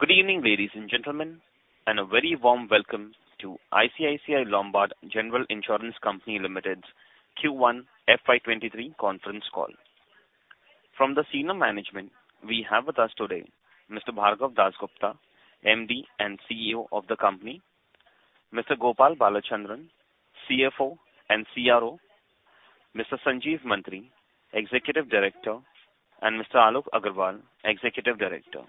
Good evening, ladies and gentlemen, and a very warm welcome to ICICI Lombard General Insurance Company Limited's Q1 FY23 conference call. From the senior management, we have with us today Mr. Bhargav Dasgupta, MD and CEO of the company, Mr. Gopal Balachandran, CFO and CRO, Mr. Sanjeev Mantri, Executive Director, and Mr. Alok Agarwal, Executive Director.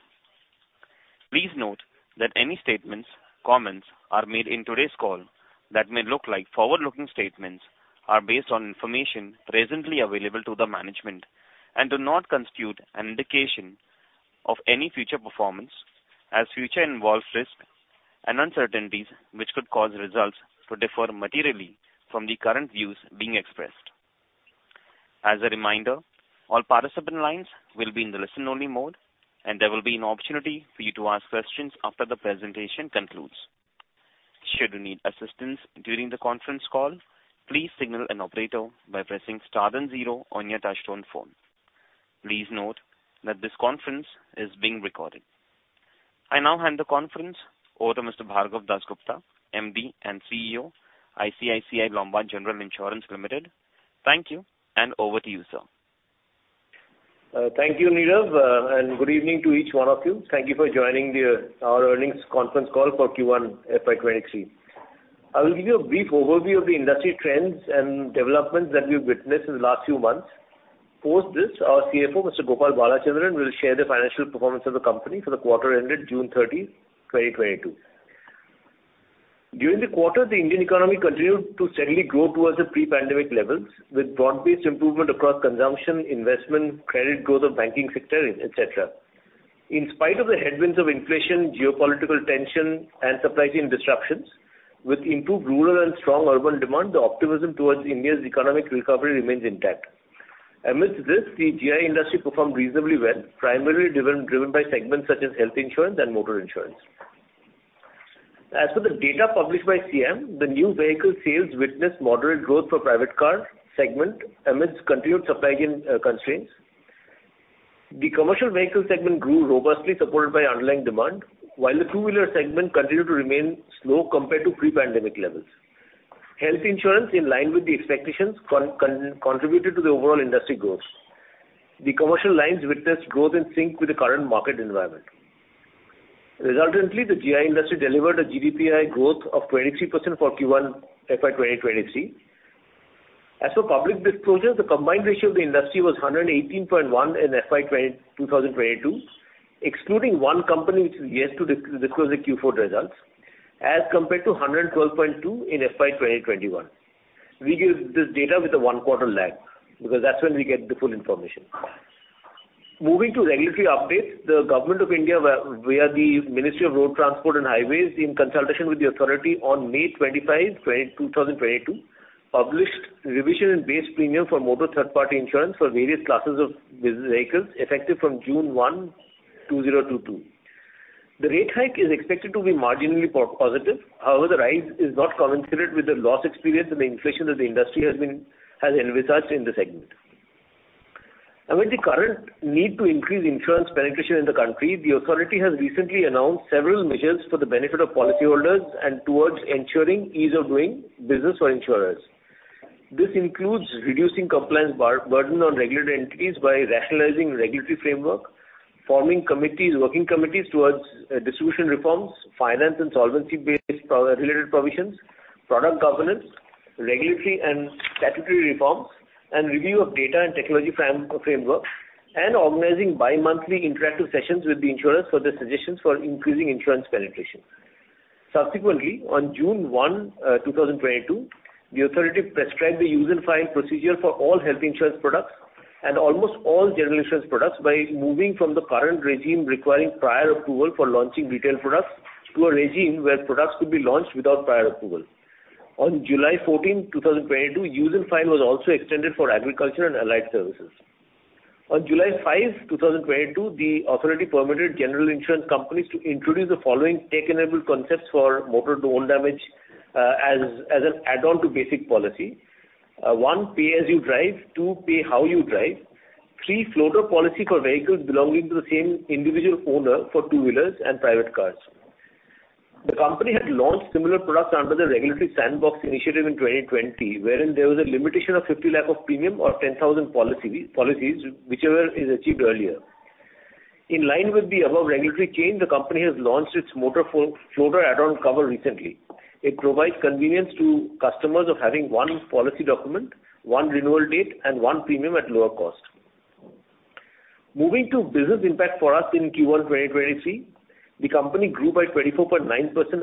Please note that any statements or comments made in today's call that may look like forward-looking statements are based on information presently available to the management and do not constitute an indication of any future performance, as future involves risks and uncertainties which could cause results to differ materially from the current views being expressed. As a reminder, all participant lines will be in the listen-only mode, and there will be an opportunity for you to ask questions after the presentation concludes. Should you need assistance during the conference call, please signal an operator by pressing star then zero on your touchtone phone. Please note that this conference is being recorded. I now hand the conference over to Mr. Bhargav Dasgupta, MD and CEO, ICICI Lombard General Insurance Company Limited. Thank you, and over to you, sir. Thank you, Nirav, and good evening to each one of you. Thank you for joining our earnings conference call for Q1 FY23. I will give you a brief overview of the industry trends and developments that we've witnessed in the last few months. Post this, our CFO, Mr. Gopal Balachandran, will share the financial performance of the company for the quarter ended June 13, 2022. During the quarter, the Indian economy continued to steadily grow towards the pre-pandemic levels with broad-based improvement across consumption, investment, credit growth of banking sector, et cetera. In spite of the headwinds of inflation, geopolitical tension and supply chain disruptions, with improved rural and strong urban demand, the optimism towards India's economic recovery remains intact. Amidst this, the GI industry performed reasonably well, primarily driven by segments such as health insurance and motor insurance. As for the data published by SIAM, the new vehicle sales witnessed moderate growth for private car segment amidst continued supply chain constraints. The commercial vehicle segment grew robustly supported by underlying demand, while the two-wheeler segment continued to remain slow compared to pre-pandemic levels. Health insurance, in line with the expectations contributed to the overall industry growth. The commercial lines witnessed growth in sync with the current market environment. Resultantly, the GI industry delivered a GDPI growth of 23% for Q1 FY 2023. As for public disclosures, the combined ratio of the industry was 118.1 in FY 2022, excluding one company which is yet to disclose the Q4 results, as compared to 112.2 in FY 2021. We give this data with a one-quarter lag because that's when we get the full information. Moving to regulatory updates, the government of India the Ministry of Road Transport and Highways in consultation with the authority on May 25, 2022, published revision in base premium for motor third-party insurance for various classes of vehicles effective from June 1, 2022. The rate hike is expected to be marginally positive. However, the rise is not commensurate with the loss experience and the inflation that the industry has envisaged in the segment. Amid the current need to increase insurance penetration in the country, the authority has recently announced several measures for the benefit of policyholders and towards ensuring ease of doing business for insurers. This includes reducing compliance burden on regulated entities by rationalizing regulatory framework, forming committees, working committees towards distribution reforms, finance and solvency-based product-related provisions, product governance, regulatory and statutory reforms, and review of data and technology framework, and organizing bi-monthly interactive sessions with the insurers for the suggestions for increasing insurance penetration. Subsequently, on June 1, 2022, the authority prescribed the use and file procedure for all health insurance products and almost all general insurance products by moving from the current regime requiring prior approval for launching retail products to a regime where products could be launched without prior approval. On July 14, 2022, use and file was also extended for agriculture and allied services. On July 5, 2022, the authority permitted general insurance companies to introduce the following tech-enabled concepts for motor own damage as an add-on to basic policy. One, Pay As You Drive. Two, Pay How You Drive. Three, floater policy for vehicles belonging to the same individual owner for two-wheelers and private cars. The company had launched similar products under the Regulatory Sandbox initiative in 2020, wherein there was a limitation of 50 lakh of premium or 10,000 policies, whichever is achieved earlier. In line with the above regulatory change, the company has launched its Motor Floater add-on cover recently. It provides convenience to customers of having one policy document, one renewal date, and one premium at lower cost. Moving to business impact for us in Q1 2023, the company grew by 24.9%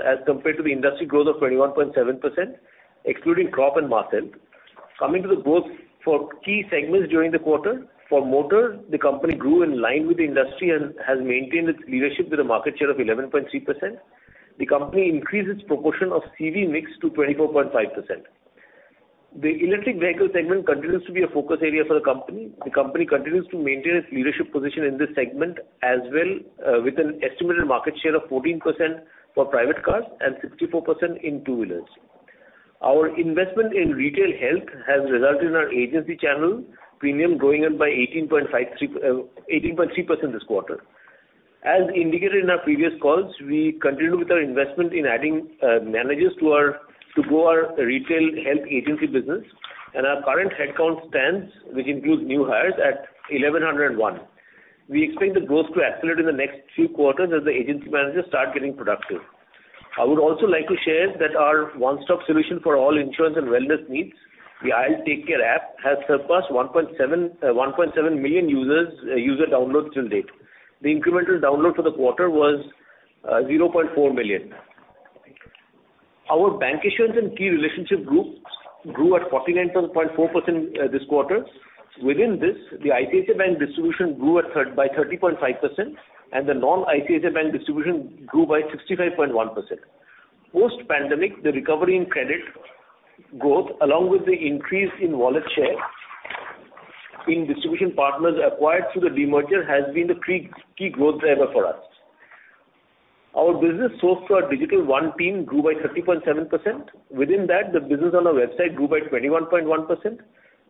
as compared to the industry growth of 21.7%, excluding crop and health. Coming to the growth for key segments during the quarter. For motor, the company grew in line with the industry and has maintained its leadership with a market share of 11.3%. The company increased its proportion of CV mix to 24.5%. The electric vehicle segment continues to be a focus area for the company. The company continues to maintain its leadership position in this segment as well, with an estimated market share of 14% for private cars and 64% in two-wheelers. Our investment in retail health has resulted in our agency channel premium growing by 18.3% this quarter. As indicated in our previous calls, we continue with our investment in adding managers to our, to grow our retail health agency business, and our current headcount stands, which includes new hires, at 1,101. We expect the growth to accelerate in the next few quarters as the agency managers start getting productive. I would also like to share that our one-stop solution for all insurance and wellness needs, the IL TakeCare app, has surpassed 1.7, 1.7 million user downloads till date. The incremental download for the quarter was 0.4 million. Our bank insurance and key relationship groups grew at 49.4% this quarter. Within this, the ICICI Bank distribution grew by 30.5%, and the non-ICICI Bank distribution grew by 65.1%. Post-pandemic, the recovery in credit growth, along with the increase in wallet share in distribution partners acquired through the demerger, has been the key growth driver for us. Our business sourced through our Digital One team grew by 30.7%. Within that, the business on our website grew by 21.1%,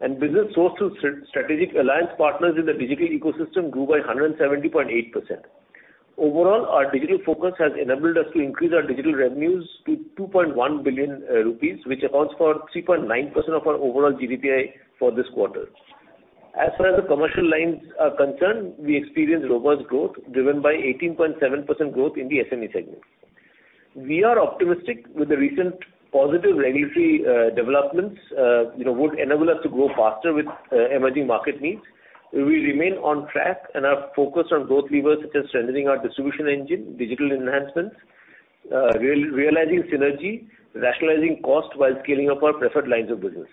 and business sourced through strategic alliance partners in the digital ecosystem grew by 170.8%. Overall, our digital focus has enabled us to increase our digital revenues to 2.1 billion rupees, which accounts for 3.9% of our overall GDPI for this quarter. As far as the commercial lines are concerned, we experienced robust growth driven by 18.7% growth in the SME segment. We are optimistic with the recent positive regulatory developments would enable us to grow faster with emerging market needs. We remain on track and are focused on growth levers such as strengthening our distribution engine, digital enhancements, realizing synergy, rationalizing cost while scaling up our preferred lines of business.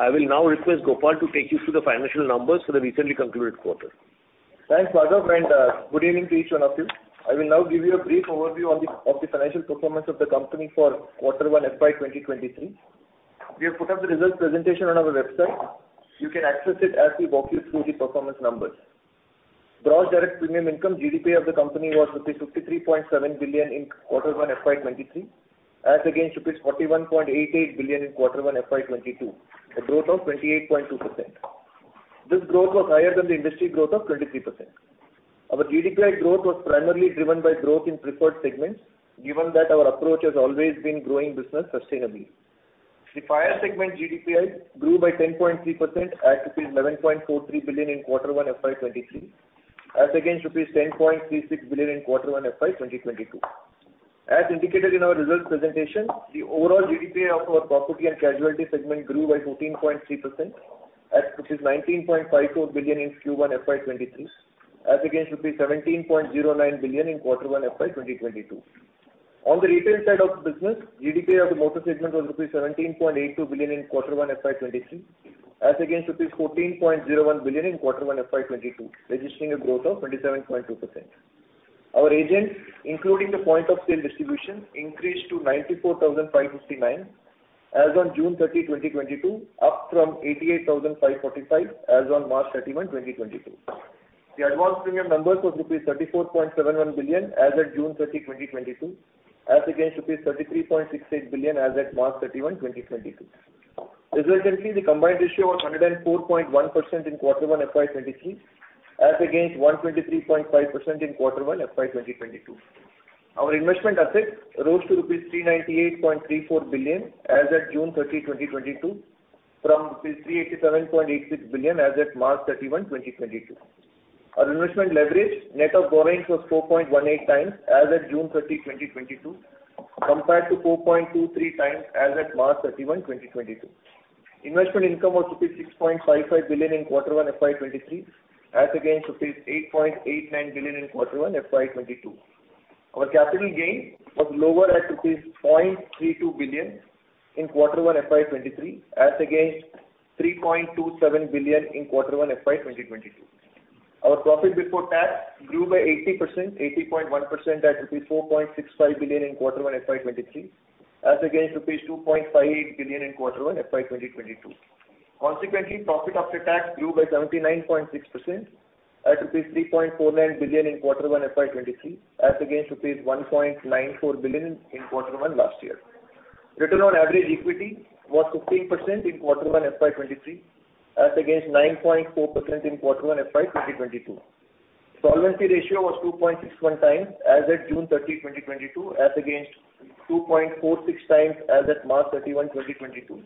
I will now request Gopal to take you through the financial numbers for the recently concluded quarter. Thanks, Madhav, and good evening to each one of you. I will now give you a brief overview of the financial performance of the company for quarter one FY 2023. We have put up the results presentation on our website. You can access it as we walk you through the performance numbers. Gross direct premium income GDPI of the company was rupees 53.7 billion in quarter one FY 2023 as against rupees 41.88 billion in quarter one FY 2022, a growth of 28.2%. This growth was higher than the industry growth of 23%. Our GDPI growth was primarily driven by growth in preferred segments, given that our approach has always been growing business sustainably. The fire segment GDPI grew by 10.3% at rupees 11.43 billion in quarter one FY 2023 as against rupees 10.36 billion in quarter one FY 2022. As indicated in our results presentation, the overall GDPI of our property and casualty segment grew by 14.3% at 19.54 billion in Q1 FY 2023 as against rupees 17.09 billion in quarter one FY 2022. On the retail side of the business, GDPI of the motor segment was rupees 17.82 billion in quarter one FY 2023 as against rupees 14.01 billion in quarter one FY 2022, registering a growth of 27.2%. Our agents, including the point of sale distribution, increased to 94,559 as on June 30, 2022, up from 88,545 as on March 31, 2022. The advance premium members was rupees 34.71 billion as at June 30, 2022 as against rupees 33.68 billion as at March 31, 2022. As a result, the combined ratio was 104.1% in quarter one FY23 as against 123.5% in quarter one FY22. Our investment assets rose to rupees 398.34 billion as at June 30, 2022 from rupees 387.86 billion as at March 31, 2022. Our investment leverage net of borrowings was 4.18 times as at June 30, 2022 compared to 4.23 times as at March 31, 2022. Investment income was INR 6.55 billion in quarter one FY 2023 as against rupees 8.89 billion in quarter one FY 2022. Our capital gain was lower at rupees 0.32 billion in quarter one FY 2023 as against 3.27 billion in quarter one FY 2022. Our profit before tax grew by 80%, 80.1% at rupees 4.65 billion in quarter one FY 2023 as against rupees 2.58 billion in quarter one FY 2022. Consequently, profit after tax grew by 79.6% at rupees 3.49 billion in quarter one FY 2023 as against rupees 1.94 billion in quarter one last year. Return on average equity was 15% in quarter one FY23 as against 9.4% in quarter one FY 2022. Solvency ratio was 2.61 times as at June 30, 2022 as against 2.46 times as at March 31, 2022,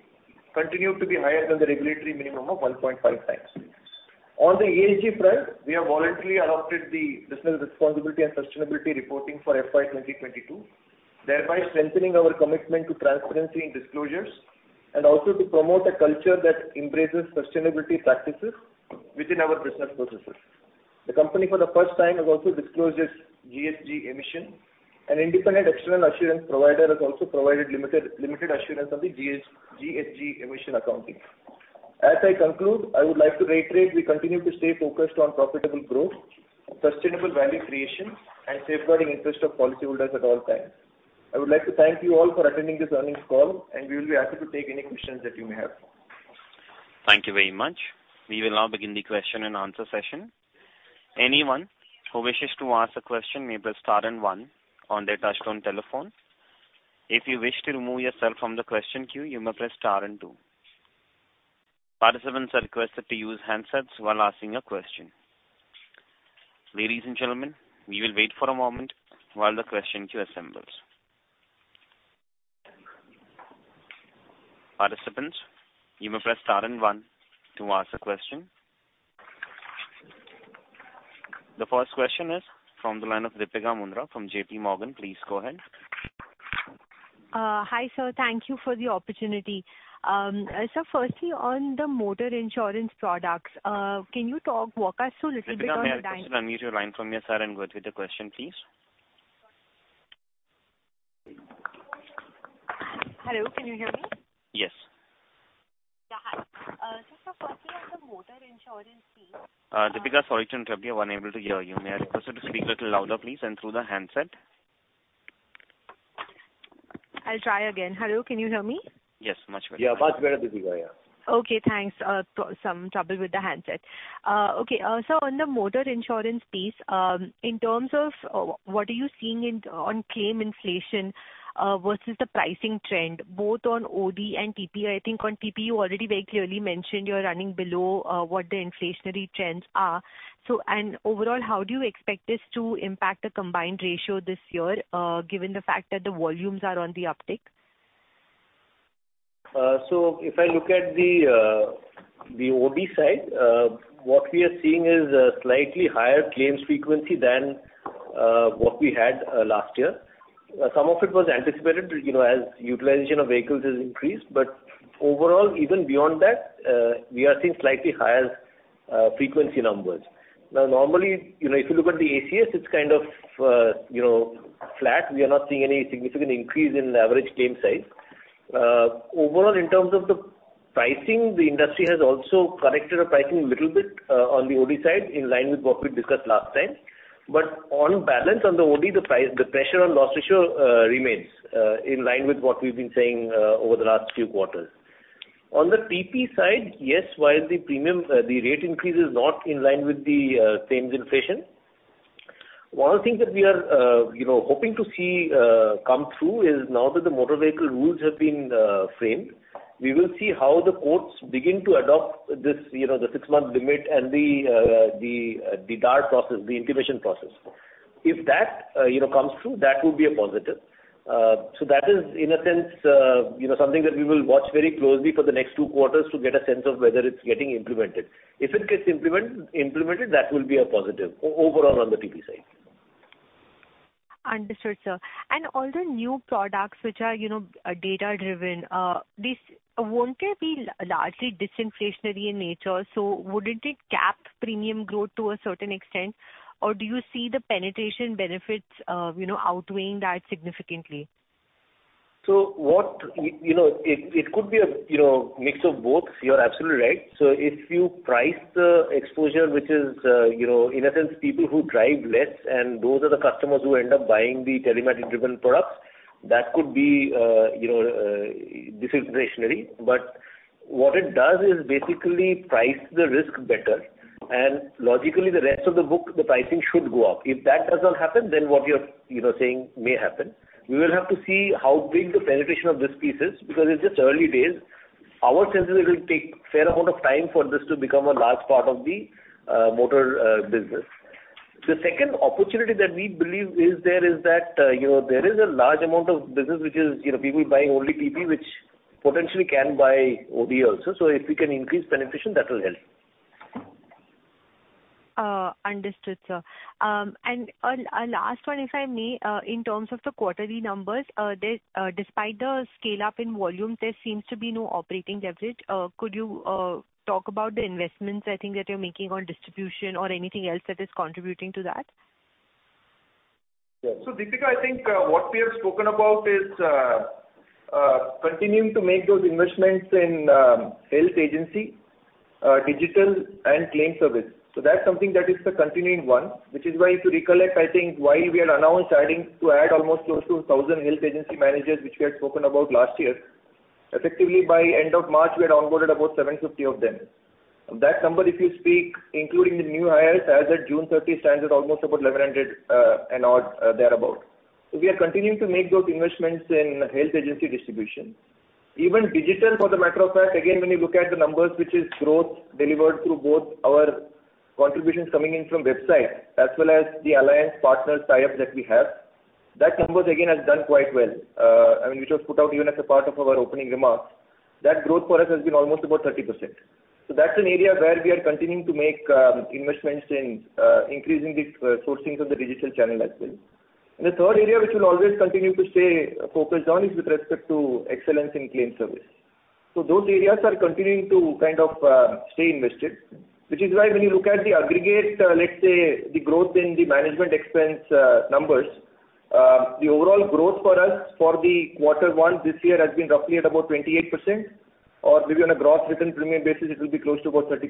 continued to be higher than the regulatory minimum of 1.5 times. On the ESG front, we have voluntarily adopted the business responsibility and sustainability reporting for FY 2022, thereby strengthening our commitment to transparency in disclosures and also to promote a culture that embraces sustainability practices within our business processes. The company for the first time has also disclosed its GHG emission. An independent external assurance provider has also provided limited assurance on the GHG emission accounting. As I conclude, I would like to reiterate we continue to stay focused on profitable growth, sustainable value creation, and safeguarding interest of policyholders at all times. I would like to thank you all for attending this earnings call, and we will be happy to take any questions that you may have. Thank you very much. We will now begin the question and answer session. Anyone who wishes to ask a question may press star and one on their touchtone telephone. If you wish to remove yourself from the question queue, you may press star and two. Participants are requested to use handsets while asking a question. Ladies and gentlemen, we will wait for a moment while the question queue assembles. Participants, you may press star and one to ask a question. The first question is from the line of Deepika Mundra from JPMorgan. Please go ahead. Hi, sir. Thank you for the opportunity. Sir, firstly on the motor insurance products, can you walk us through little bit of? Deepika, may I request to unmute your line from your side and go through the question, please. Hello, can you hear me? Yes. Yeah, hi. Sir, firstly on the motor insurance fees. Deepika, sorry to interrupt, we are unable to hear you. May I request you to speak a little louder, please, and through the handset. I'll try again. Hello, can you hear me? Yes, much better. Yeah, much better, Deepika. Yeah. Okay, thanks. Got some trouble with the handset. Okay, on the motor insurance piece, in terms of what are you seeing on claim inflation versus the pricing trend, both on OD and TP. I think on TP you already very clearly mentioned you're running below what the inflationary trends are. And overall, how do you expect this to impact the combined ratio this year, given the fact that the volumes are on the uptick? If I look at the OD side, what we are seeing is a slightly higher claims frequency than what we had last year. Some of it was anticipated, you know, as utilization of vehicles has increased. Overall, even beyond that, we are seeing slightly higher frequency numbers. Now, normally, you know, if you look at the ACS, it's kind of, you know, flat. We are not seeing any significant increase in the average claim size. Overall in terms of the pricing, the industry has also corrected the pricing little bit on the OD side, in line with what we discussed last time. On balance, on the OD, the pressure on loss ratio remains in line with what we've been saying over the last few quarters. On the TP side, yes, while the premium, the rate increase is not in line with the claims inflation. One of the things that we are, you know, hoping to see come through is now that the motor vehicle rules have been framed, we will see how the courts begin to adopt this, you know, the six-month limit and the DAR process, the intimation process. If that, you know, comes through, that would be a positive. That is in a sense, you know, something that we will watch very closely for the next two quarters to get a sense of whether it's getting implemented. If it gets implemented, that will be a positive overall on the TP side. Understood, sir. All the new products which are, you know, data driven, won't this be largely disinflationary in nature, so wouldn't it cap premium growth to a certain extent? Or do you see the penetration benefits, you know, outweighing that significantly? You know, it could be a you know, mix of both. You're absolutely right. If you price the exposure, which is you know, in a sense people who drive less and those are the customers who end up buying the telematics driven products, that could be you know, disinflationary. But what it does is basically price the risk better and logically the rest of the book, the pricing should go up. If that does not happen, then what you're you know, saying may happen. We will have to see how big the penetration of this piece is because it's just early days. Our sense is it will take fair amount of time for this to become a large part of the motor business. The second opportunity that we believe is there is that, you know, there is a large amount of business which is, you know, people buying only TP which potentially can buy OD also. So if we can increase penetration, that will help. Understood, sir. A last one, if I may, in terms of the quarterly numbers, despite the scale-up in volume, there seems to be no operating leverage. Could you talk about the investments, I think that you're making on distribution or anything else that is contributing to that? Yeah. Deepika, I think what we have spoken about is continuing to make those investments in health agency, digital and claim service. That's something that is a continuing one, which is why if you recollect, I think why we had announced to add almost close to 1,000 health agency managers, which we had spoken about last year. Effectively by end of March, we had onboarded about 750 of them. That number, if you speak, including the new hires as at June 30 stands at almost about 1,100 and odd thereabout. We are continuing to make those investments in health agency distribution. Even digital, for that matter, in fact, again, when you look at the numbers which is growth delivered through both our contributions coming in from website as well as the alliance partners tie-ups that we have. That numbers again has done quite well. I mean, which was put out even as a part of our opening remarks. That growth for us has been almost about 30%. That's an area where we are continuing to make investments in increasing the sourcings of the digital channel as well. The third area which we'll always continue to stay focused on is with respect to excellence in claim service. Those areas are continuing to kind of stay invested, which is why when you look at the aggregate, let's say the growth in the management expense numbers, the overall growth for us for the quarter one this year has been roughly at about 28% or maybe on a gross written premium basis it will be close to about 30%.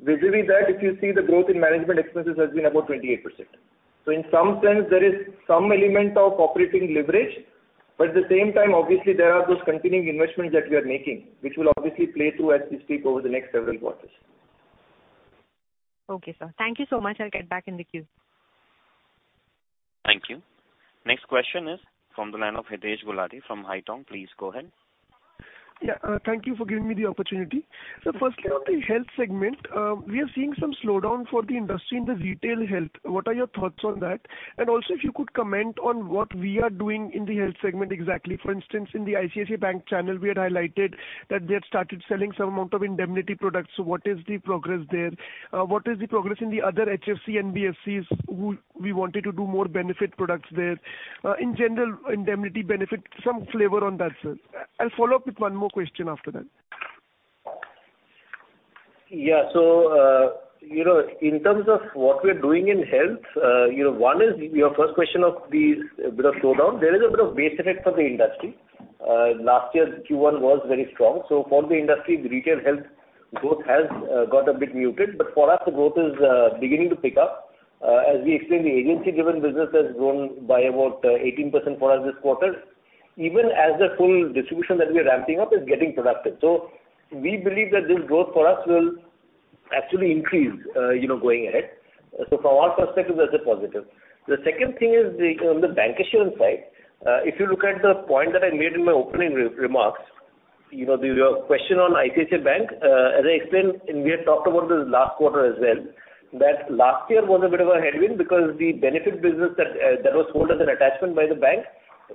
Vis-a-vis that, if you see the growth in management expenses has been about 28%. In some sense there is some element of operating leverage. At the same time, obviously, there are those continuing investments that we are making, which will obviously play through as we speak over the next several quarters. Okay, sir. Thank you so much. I'll get back in the queue. Thank you. Next question is from the line of Hitesh Gulati from Haitong. Please go ahead. Yeah, thank you for giving me the opportunity. Firstly, on the health segment, we are seeing some slowdown for the industry in the retail health. What are your thoughts on that? And also, if you could comment on what we are doing in the health segment exactly. For instance, in the ICICI Bank channel, we had highlighted that they had started selling some amount of indemnity products. So what is the progress there? What is the progress in the other HFC and NBFCs who we wanted to do more benefit products there. In general, indemnity benefit, some flavor on that, sir. I'll follow up with one more question after that. Yeah, you know, in terms of what we're doing in health, you know, one is your first question of the bit of slowdown. There is a bit of base effect for the industry. Last year's Q1 was very strong. For the industry, the retail health growth has got a bit muted, but for us the growth is beginning to pick up. As we explained, the agency-driven business has grown by about 18% for us this quarter, even as the full distribution that we are ramping up is getting productive. We believe that this growth for us will actually increase, you know, going ahead. From our perspective, that's a positive. The second thing is on the bancassurance side. If you look at the point that I made in my opening remarks, you know, your question on ICICI Bank, as I explained, and we had talked about this last quarter as well, that last year was a bit of a headwind because the benefit business that that was held as an attachment by the bank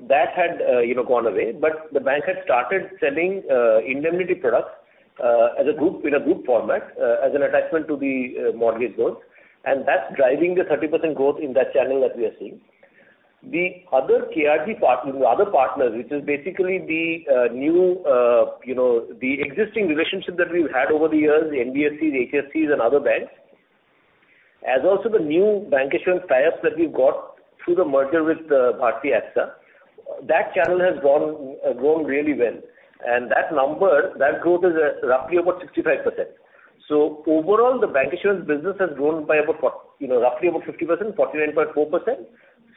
that had, you know, gone away. The bank had started selling, indemnity products, as a group, in a group format, as an attachment to the, mortgage loans. That's driving the 30% growth in that channel that we are seeing. Other partners, which is basically the new, you know, the existing relationship that we've had over the years, the NBFCs, HFCs and other banks, as also the new bancassurance tie-ups that we've got through the merger with Bharti AXA. That channel has grown really well. That number, that growth is roughly about 65%. Overall, the bancassurance business has grown by about, you know, roughly about 50%, 49.4%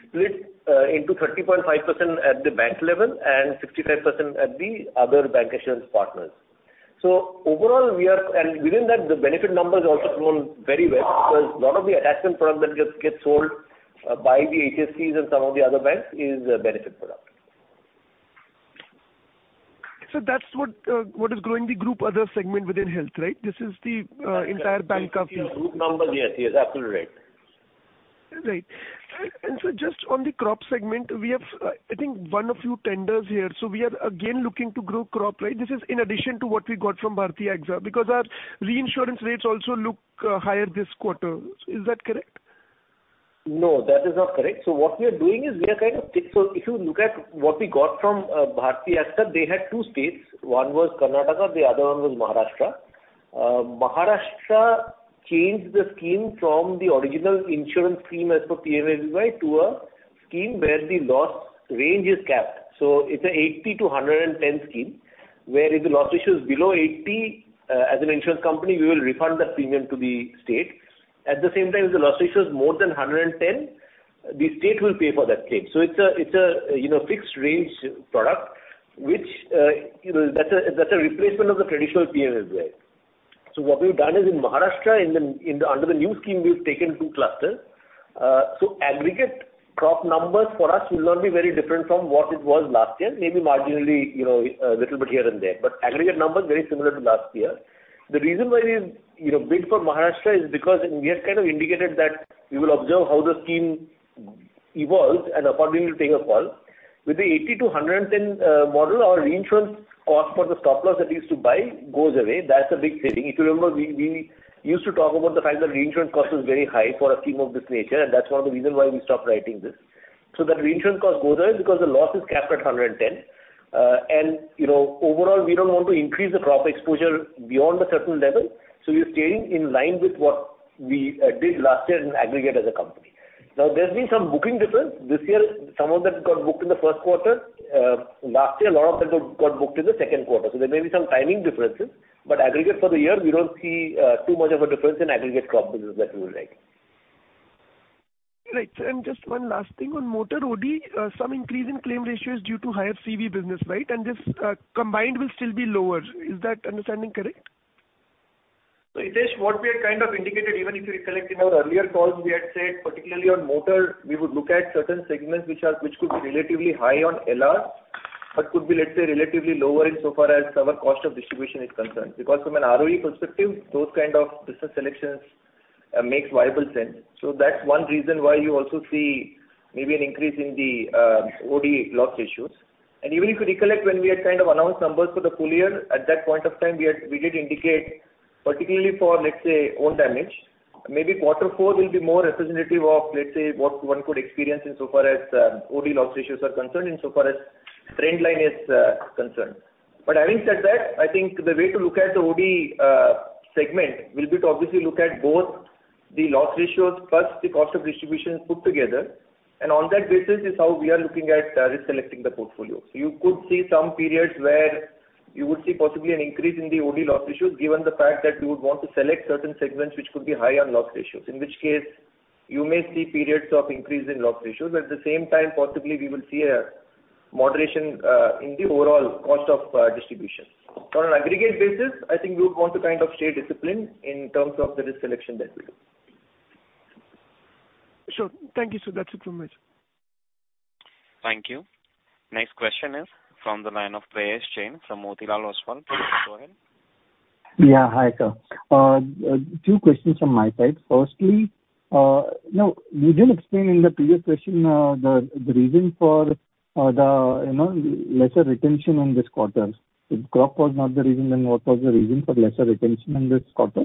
split into 30.5% at the bank level and 65% at the other bancassurance partners. And within that the benefit numbers also grown very well because a lot of the attachment products that just get sold by the HFCs and some of the other banks is a benefit product. That's what is growing the group other segment within health, right? This is the entire bank of the- Group number. Yes. Yes. Absolutely. Right. Just on the crop segment, we have, I think one of few tenders here. We are again looking to grow crop, right? This is in addition to what we got from Bharti AXA because our reinsurance rates also look higher this quarter. Is that correct? No, that is not correct. What we are doing is if you look at what we got from Bharti AXA, they had two states, one was Karnataka, the other one was Maharashtra. Maharashtra changed the scheme from the original insurance scheme as per PMFBY to a scheme where the loss range is capped. It's a 80-110 scheme, where if the loss ratio is below 80, as an insurance company, we will refund the premium to the state. At the same time, if the loss ratio is more than 110, the state will pay for that claim. It's a you know fixed range product, which you know that's a replacement of the traditional PMFBY. What we've done is in Maharashtra, under the new scheme, we've taken two clusters. Aggregate crop numbers for us will not be very different from what it was last year. Maybe marginally, you know, a little bit here and there, but aggregate numbers very similar to last year. The reason why we, you know, bid for Maharashtra is because we have kind of indicated that we will observe how the scheme evolves and accordingly will take a call. With the 80-110 model our reinsurance cost for the stop loss that we used to buy goes away. That's a big saving. If you remember, we used to talk about the fact that reinsurance cost was very high for a scheme of this nature, and that's one of the reason why we stopped writing this. That reinsurance cost goes away because the loss is capped at 110. You know, overall, we don't want to increase the crop exposure beyond a certain level. We're staying in line with what we did last year in aggregate as a company. Now there's been some booking difference this year. Some of that got booked in the first quarter. Last year a lot of that got booked in the second quarter. There may be some timing differences, but aggregate for the year, we don't see too much of a difference in aggregate crop business that we will write. Right. Just one last thing on motor OD. Some increase in claim ratio is due to higher CV business, right? This combined will still be lower. Is that understanding correct? Hitesh, what we had kind of indicated, even if you recollect in our earlier calls, we had said particularly on motor, we would look at certain segments which could be relatively high on LR but could be, let's say, relatively lower in so far as our cost of distribution is concerned. Because from an ROE perspective, those kind of business selections makes viable sense. That's one reason why you also see maybe an increase in the OD loss ratios. Even if you recollect when we had kind of announced numbers for the full year, at that point of time, we did indicate particularly for, let's say, own damage, maybe quarter four will be more representative of, let's say, what one could experience in so far as OD loss ratios are concerned in so far as trend line is concerned. Having said that, I think the way to look at the OD segment will be to obviously look at both the loss ratios plus the cost of distribution put together. On that basis is how we are looking at risk selecting the portfolio. You could see some periods where you would see possibly an increase in the OD loss ratios, given the fact that you would want to select certain segments which could be high on loss ratios, in which case you may see periods of increase in loss ratios. At the same time, possibly we will see a moderation in the overall cost of distribution. On an aggregate basis, I think we would want to kind of stay disciplined in terms of the risk selection that we do. Sure. Thank you, sir. That's it from me. Thank you. Next question is from the line of Prayesh Jain from Motilal Oswal. Please go ahead. Yeah. Hi, sir. Two questions from my side. Firstly, now, you didn't explain in the previous question the reason for the, you know, lesser retention in this quarter. If growth was not the reason, then what was the reason for lesser retention in this quarter?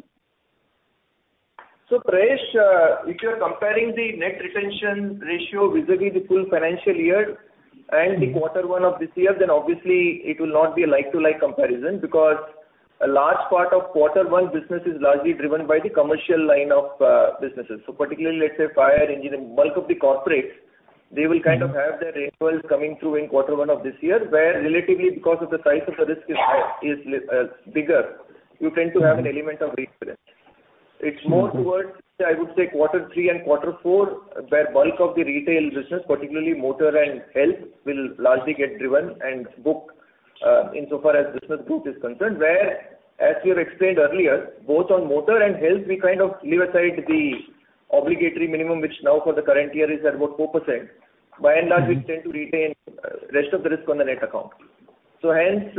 Prayesh, if you are comparing the net retention ratio vis-à-vis the full financial year and the quarter one of this year, then obviously it will not be a like-to-like comparison because a large part of quarter one business is largely driven by the commercial line of businesses. Particularly, let's say, fire and engineering and bulk of the corporates, they will kind of have their renewals coming through in quarter one of this year. Where relatively because of the size of the risk is high, bigger, you tend to have an element of reinsurance. It's more towards, I would say, quarter three and quarter four, where bulk of the retail business, particularly motor and health, will largely get driven and booked, insofar as business book is concerned. Where, as we have explained earlier, both on motor and health, we kind of leave aside the obligatory minimum, which now for the current year is at about 4%. By and large, we tend to retain rest of the risk on the net account. Hence,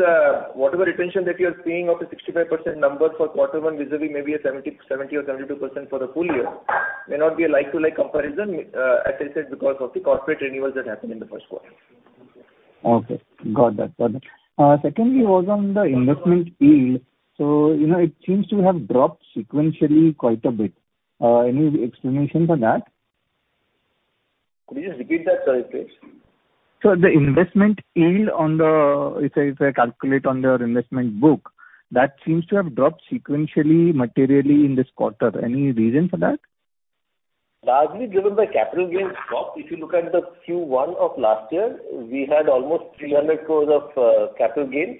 whatever retention that you're seeing of a 65% number for quarter one vis-à-vis maybe a 70 or 72% for the full year may not be a like-for-like comparison, as I said, because of the corporate renewals that happened in the first quarter. Okay. Got that. Secondly was on the investment yield. You know, it seems to have dropped sequentially quite a bit. Any explanation for that? Could you just repeat that, sorry, please? The investment yield on the, if I calculate on your investment book, that seems to have dropped sequentially, materially in this quarter. Any reason for that? Largely driven by capital gains drop. If you look at the Q1 of last year, we had almost 300 crores of capital gains.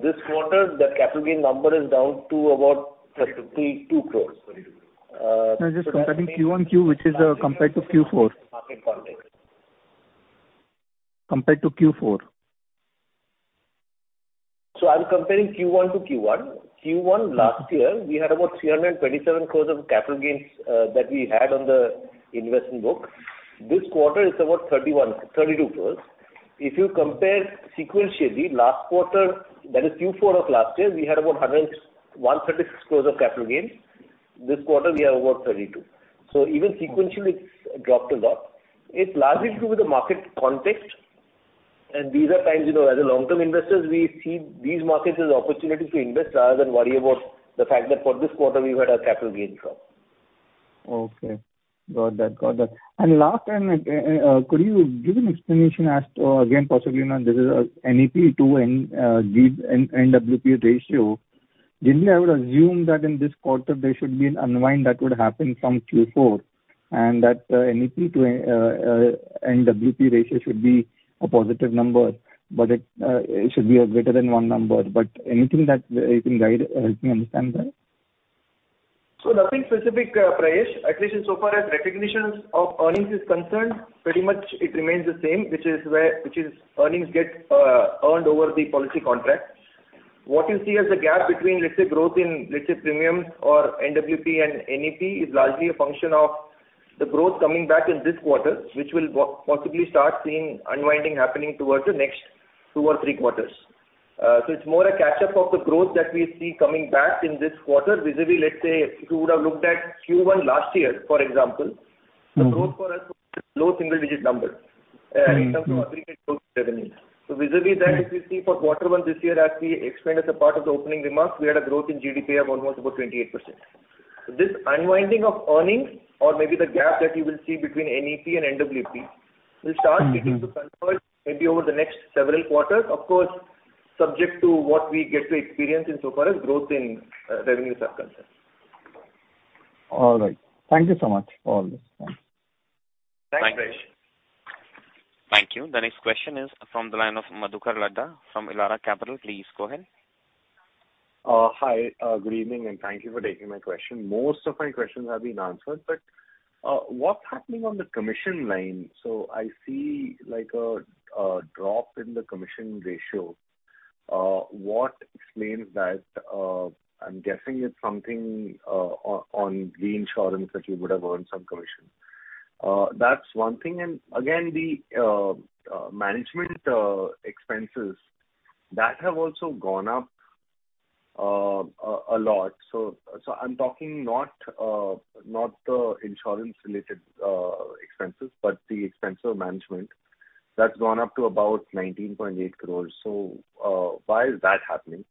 This quarter, the capital gain number is down to about 32 crores. That means- No, just comparing Q1 QoQ, which is compared to Q4 I'm comparing QQ1. Q1 last year we had about 327 crore of capital gains that we had on the investment book. This quarter it's about 31-32 crore. If you compare sequentially, last quarter, that is Q4 of last year, we had about 136 crore of capital gains. This quarter we have about 32. Even sequentially it's dropped a lot. It's largely to do with the market context. These are times, you know, as long-term investors, we see these markets as opportunities to invest rather than worry about the fact that for this quarter we've had our capital gains drop. Okay. Got that. Last one, could you give an explanation as to, again, possibly what is a NEP to NWP ratio. Generally, I would assume that in this quarter there should be an unwind that would happen from Q4 and that NEP to NWP ratio should be a positive number, but it should be a greater than one number. Anything that you can guide, help me understand that. Nothing specific, Prayesh. At least so far as recognitions of earnings is concerned, pretty much it remains the same, which is earnings get earned over the policy contract. What you see as a gap between, let's say, growth in, let's say, premiums or NWP and NEP is largely a function of the growth coming back in this quarter, which we'll possibly start seeing unwinding happening towards the next two or three quarters. It's more a catch-up of the growth that we see coming back in this quarter vis-à-vis, let's say, if you would have looked at Q1 last year, for example, the growth for us was low single digit numbers, in terms of aggregate growth revenues. Vis-à-vis that, if you see for quarter one this year as we explained as a part of the opening remarks, we had a growth in GDPI of almost about 28%. This unwinding of earnings or maybe the gap that you will see between NEP and NWP will start getting to converge maybe over the next several quarters, of course, subject to what we get to experience insofar as growth in revenues are concerned. All right. Thank you so much for all this. Thanks. Thanks, Prayesh. Thank you. The next question is from the line of Madhukar Ladha from Elara Capital. Please go ahead. Hi. Good evening, and thank you for taking my question. Most of my questions have been answered, but what's happening on the commission line? I see like a drop in the commission ratio. What explains that? I'm guessing it's something on reinsurance that you would have earned some commission. That's one thing. Again, the management expenses that have also gone up a lot. I'm talking not the insurance related expenses, but the expense of management that's gone up to about 19.8 crores. Why is that happening?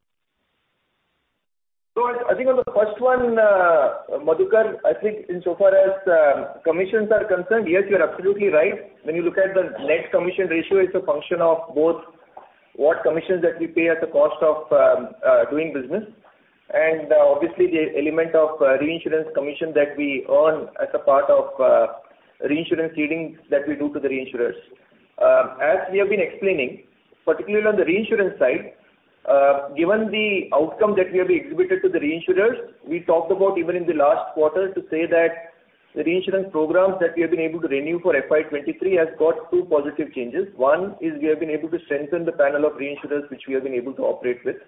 I think on the first one, Madhukar, I think insofar as commissions are concerned, yes, you're absolutely right. When you look at the net commission ratio, it's a function of both what commissions that we pay as a cost of doing business and obviously the element of reinsurance commission that we earn as a part of reinsurance ceding that we do to the reinsurers. As we have been explaining, particularly on the reinsurance side, given the outcome that we have exhibited to the reinsurers, we talked about even in the last quarter to say that the reinsurance programs that we have been able to renew for FY23 has got two positive changes. One is we have been able to strengthen the panel of reinsurers which we have been able to operate with.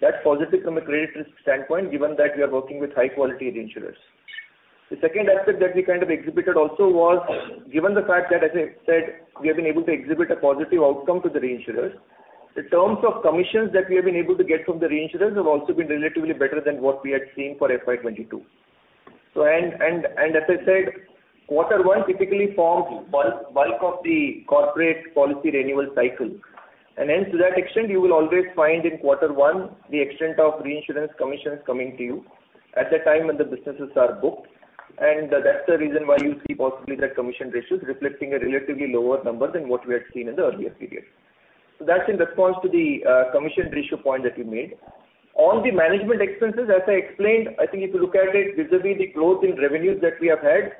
That's positive from a credit risk standpoint, given that we are working with high quality reinsurers. The second aspect that we kind of exhibited also was, given the fact that, as I said, we have been able to exhibit a positive outcome to the reinsurers. The terms of commissions that we have been able to get from the reinsurers have also been relatively better than what we had seen for FY 2022. As I said, quarter one typically forms bulk of the corporate policy renewal cycle. Hence, to that extent, you will always find in quarter one the extent of reinsurance commissions coming to you at the time when the businesses are booked. That's the reason why you see possibly that commission ratios reflecting a relatively lower number than what we had seen in the earlier period. That's in response to the commission ratio point that you made. On the management expenses, as I explained, I think if you look at it vis-à-vis the growth in revenues that we have had,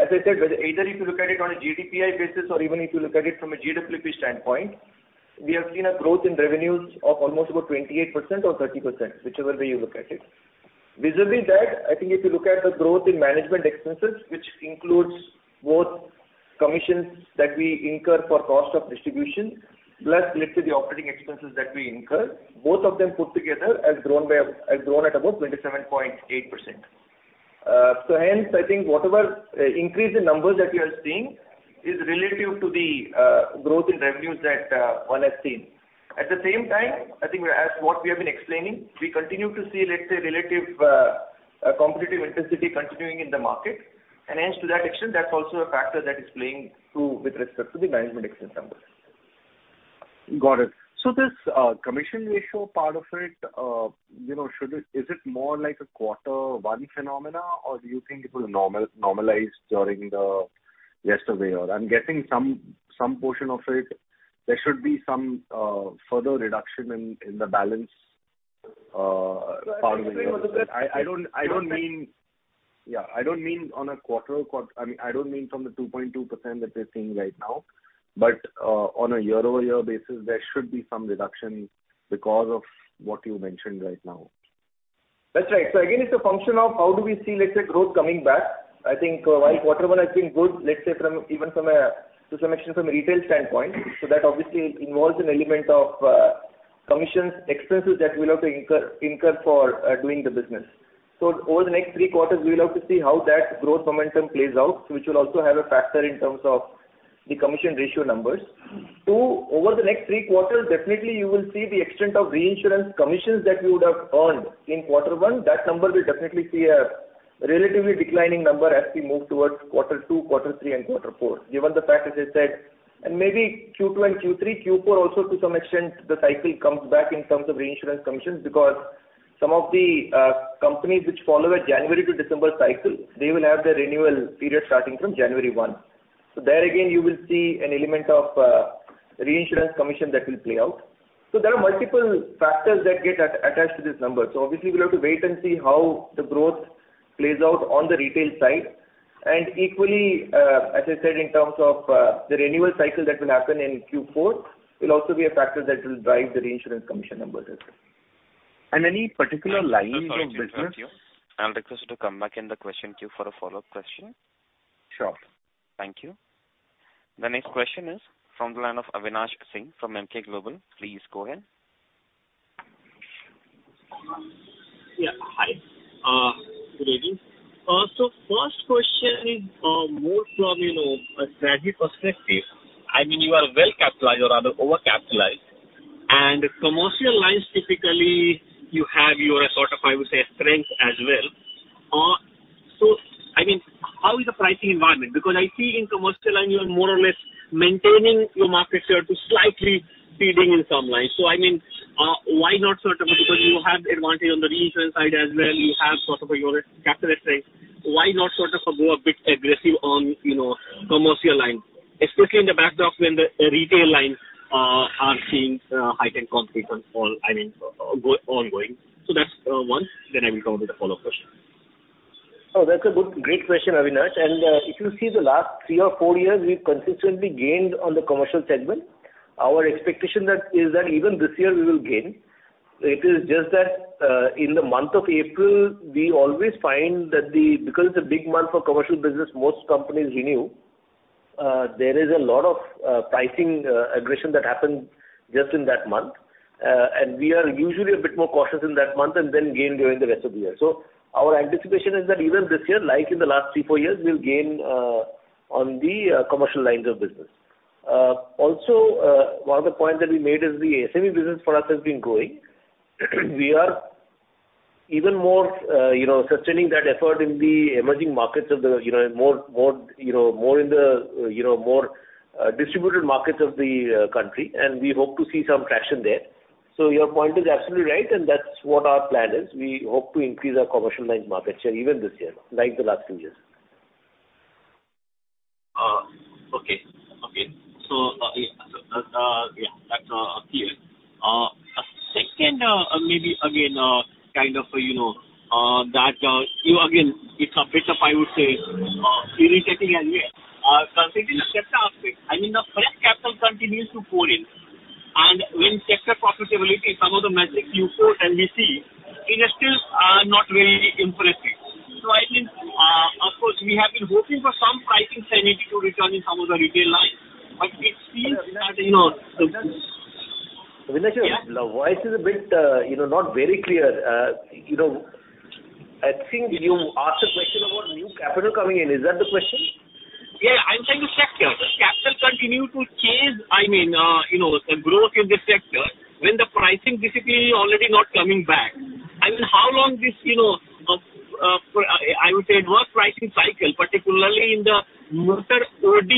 as I said, whether either if you look at it on a GDPI basis or even if you look at it from a GWP standpoint, we have seen a growth in revenues of almost about 28% or 30%, whichever way you look at it. Vis-à-vis that, I think if you look at the growth in management expenses, which includes both commissions that we incur for cost of distribution, plus let's say the operating expenses that we incur, both of them put together have grown at about 27.8%. I think whatever increase in numbers that you are seeing is relative to the growth in revenues that one has seen. At the same time, I think as what we have been explaining, we continue to see, let's say, relative competitive intensity continuing in the market. To that extent, that's also a factor that is playing through with respect to the management expense numbers. Got it. This commission ratio part of it, you know, is it more like a quarter one phenomenon or do you think it will normalize during the rest of the year? I'm getting some portion of it. There should be some further reduction in the latter part of the year. I don't mean. I mean, I don't mean from the 2.2% that we're seeing right now. On a year-over-year basis, there should be some reduction because of what you mentioned right now. That's right. Again, it's a function of how do we see, let's say, growth coming back. I think while quarter one has been good, let's say to some extent from a retail standpoint. That obviously involves an element of commissions, expenses that we'll have to incur for doing the business. Over the next three quarters, we'll have to see how that growth momentum plays out, which will also have a factor in terms of the commission ratio numbers. Two, over the next three quarters, definitely you will see the extent of reinsurance commissions that we would have earned in quarter one. That number will definitely see a relatively declining number as we move towards quarter two, quarter three and quarter four. Given the fact, as I said, and maybe Q2 and Q3, Q4 also to some extent the cycle comes back in terms of reinsurance commissions because some of the companies which follow a January-December cycle, they will have their renewal period starting from January 1. There again you will see an element of reinsurance commission that will play out. There are multiple factors that get attached to this number. Obviously we'll have to wait and see how the growth plays out on the retail side. Equally, as I said, in terms of the renewal cycle that will happen in Q4 will also be a factor that will drive the reinsurance commission numbers as well. Any particular lines of business? Sorry to interrupt you. I'll request you to come back in the question queue for a follow-up question. Sure. Thank you. The next question is from the line of Avinash Singh from Emkay Global. Please go ahead. Yeah. Hi. Good evening. First question is, more from, you know, a strategy perspective. I mean, you are well-capitalized or rather overcapitalized. Commercial lines, typically you have your sort of, I would say, strength as well. I mean, how is the pricing environment? Because I see in commercial line you are more or less maintaining your market share to slightly ceding in some lines. I mean, why not sort of because you have the advantage on the reinsurance side as well, you have sort of your capital strength. Why not sort of go a bit aggressive on, you know, commercial lines, especially in the backdrop when the retail lines are seeing heightened competition for, I mean, ongoing. That's one. I will come with a follow-up question. Oh, that's a good, great question, Avinash. If you see the last three or four years, we've consistently gained on the commercial segment. Our expectation that is that even this year we will gain. It is just that, in the month of April, we always find that because it's a big month for commercial business, most companies renew. There is a lot of pricing aggression that happens just in that month. We are usually a bit more cautious in that month and then gain during the rest of the year. Our anticipation is that even this year, like in the last three, four years, we'll gain on the commercial lines of business. Also, one other point that we made is the SME business for us has been growing. We are even more, you know, sustaining that effort in the emerging markets of the, you know, more in the distributed markets of the country. We hope to see some traction there. Your point is absolutely right, and that's what our plan is. We hope to increase our commercial line market share even this year, like the last few years. Okay. And, maybe again, kind of, you know, that you again, it's a bit of, I would say, irritating and yet, considering the sector aspect, I mean, the fresh capital continues to pour in. When sector profitability, some of the metrics you quote and we see, it is still not really impressive. I mean, of course, we have been hoping for some pricing sanity to return in some of the retail lines, but it seems that, you know. Avinash your voice is a bit, you know, not very clear. You know, I think you asked a question about new capital coming in. Is that the question? Yeah, I'm saying the sector. Does capital continue to chase, I mean, you know, the growth in the sector when the pricing discipline is already not coming back. I mean, how long this, you know, I would say, adverse pricing cycle, particularly in the motor OD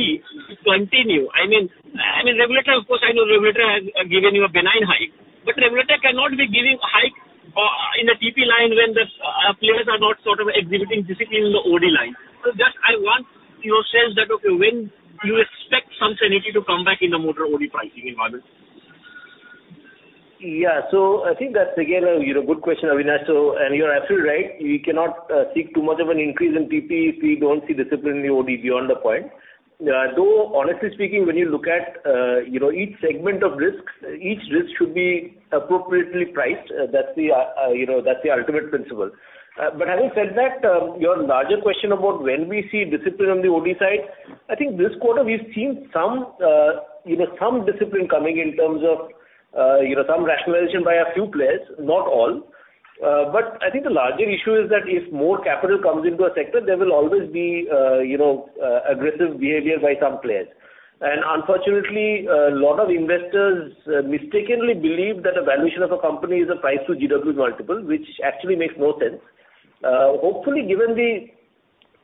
continue. I mean, regulator, of course, I know regulator has given you a benign hike, but regulator cannot be giving hike in a TP line when the players are not sort of exhibiting discipline in the OD line. So just I want your sense that, okay, when do you expect some sanity to come back in the motor OD pricing environment? Yeah, I think that's again a you know good question, Avinash. You're absolutely right. We cannot seek too much of an increase in TP if we don't see discipline in the OD beyond a point. Though, honestly speaking, when you look at you know each segment of risks, each risk should be appropriately priced. That's you know the ultimate principle. Having said that, your larger question about when we see discipline on the OD side, I think this quarter we've seen some you know discipline coming in terms of you know some rationalization by a few players, not all. I think the larger issue is that if more capital comes into a sector, there will always be you know aggressive behavior by some players. Unfortunately, a lot of investors mistakenly believe that a valuation of a company is a price to GWP multiple, which actually makes no sense. Hopefully, given the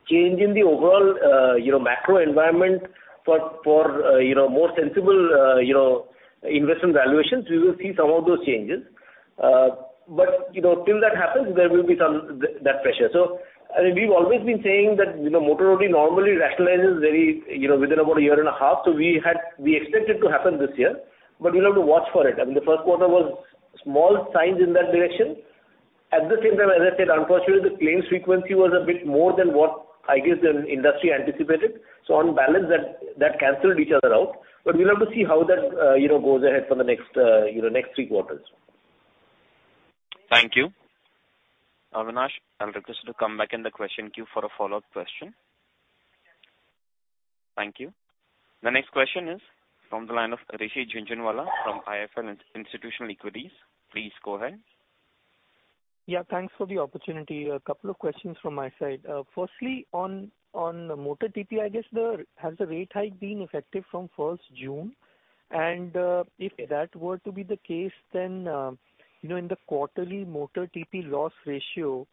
change in the overall, you know, macro environment for, you know, more sensible, you know, investment valuations, we will see some of those changes. You know, till that happens there will be some that pressure. I mean, we've always been saying that, you know, motor OD normally rationalizes very, you know, within about a year and a half. We expect it to happen this year, but we'll have to watch for it. I mean, the first quarter was small signs in that direction. At the same time, as I said, unfortunately the claims frequency was a bit more than what I guess the industry anticipated. On balance that canceled each other out. We'll have to see how that, you know, goes ahead for the next three quarters. Thank you. Avinash, I'll request you to come back in the question queue for a follow-up question. Thank you. The next question is from the line of Rishi Jhunjhunwala from IIFL Institutional Equities. Please go ahead. Yeah, thanks for the opportunity. A couple of questions from my side. First, on motor TP, I guess the rate hike has been effective from 1st June? If that were to be the case, then you know, in the quarterly motor TP loss ratio,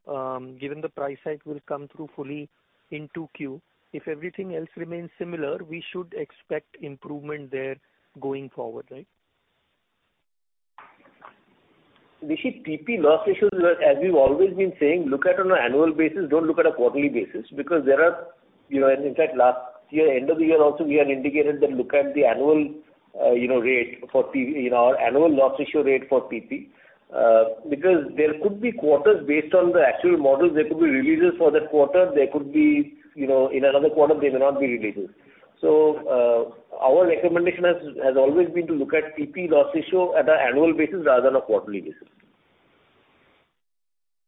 given the price hike will come through fully in 2Q, if everything else remains similar, we should expect improvement there going forward, right? Rishi, TP loss ratios, as we've always been saying, look at on an annual basis, don't look at a quarterly basis because there are, you know, and in fact last year, end of the year also we had indicated that look at the annual, you know, rate for TP, you know, our annual loss ratio rate for TP, because there could be quarters based on the actual models, there could be releases for that quarter. There could be, you know, in another quarter they may not be releases. Our recommendation has always been to look at TP loss ratio at an annual basis rather than a quarterly basis.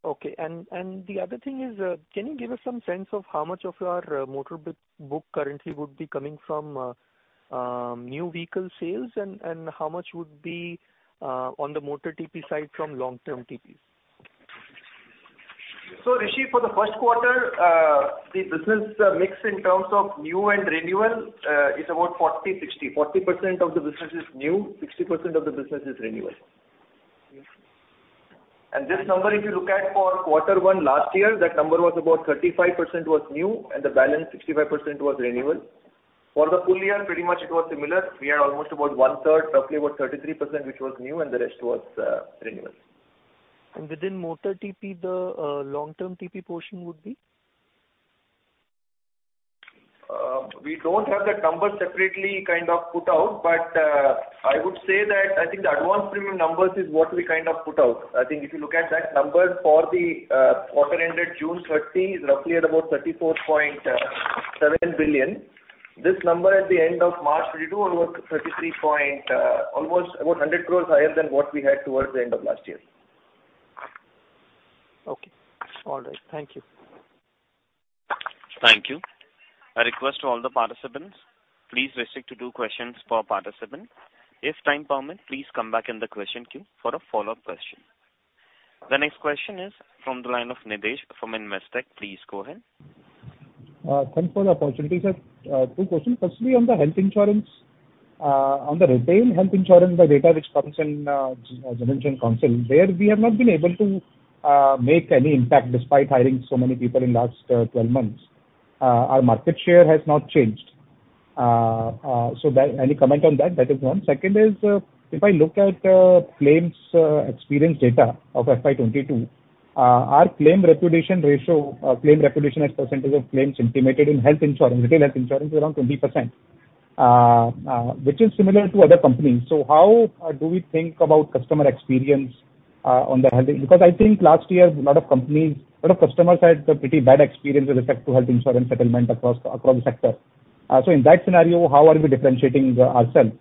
Okay. The other thing is, can you give us some sense of how much of your motor book currently would be coming from new vehicle sales and how much would be on the motor TP side from long-term TP? Rishi, for the first quarter, the business mix in terms of new and renewal is about 40, 60. 40% of the business is new, 60% of the business is renewal. This number, if you look at for quarter one last year, that number was about 35% was new and the balance 65% was renewal. For the full year, pretty much it was similar. We had almost about one third, roughly about 33%, which was new and the rest was renewals. Within motor TP, the long term TP portion would be? We don't have that number separately kind of put out. I would say that I think the advance premium numbers is what we kind of put out. I think if you look at that number for the quarter ended June 30 is roughly at about 34.7 billion. This number at the end of March 32.2 over 33.1 almost about 100 crores higher than what we had towards the end of last year. Okay. All right. Thank you. Thank you. I request to all the participants, please restrict to two questions per participant. If time permit, please come back in the question queue for a follow-up question. The next question is from the line of Nitesh from Investec. Please go ahead. Thanks for the opportunity, sir. Two questions. Firstly, on the health insurance, on the retail health insurance, the data which comes in, as mentioned in the call, there we have not been able to make any impact despite hiring so many people in last 12 months. Our market share has not changed. Any comment on that? That is one. Second is, if I look at claims experience data of FY22, our claim repudiation ratio, claim repudiation as percentage of claims intimated in health insurance, retail health insurance is around 20%. Which is similar to other companies. How do we think about customer experience on the health? Because I think last year a lot of companies. lot of customers had a pretty bad experience with respect to health insurance settlement across the sector. In that scenario, how are we differentiating ourselves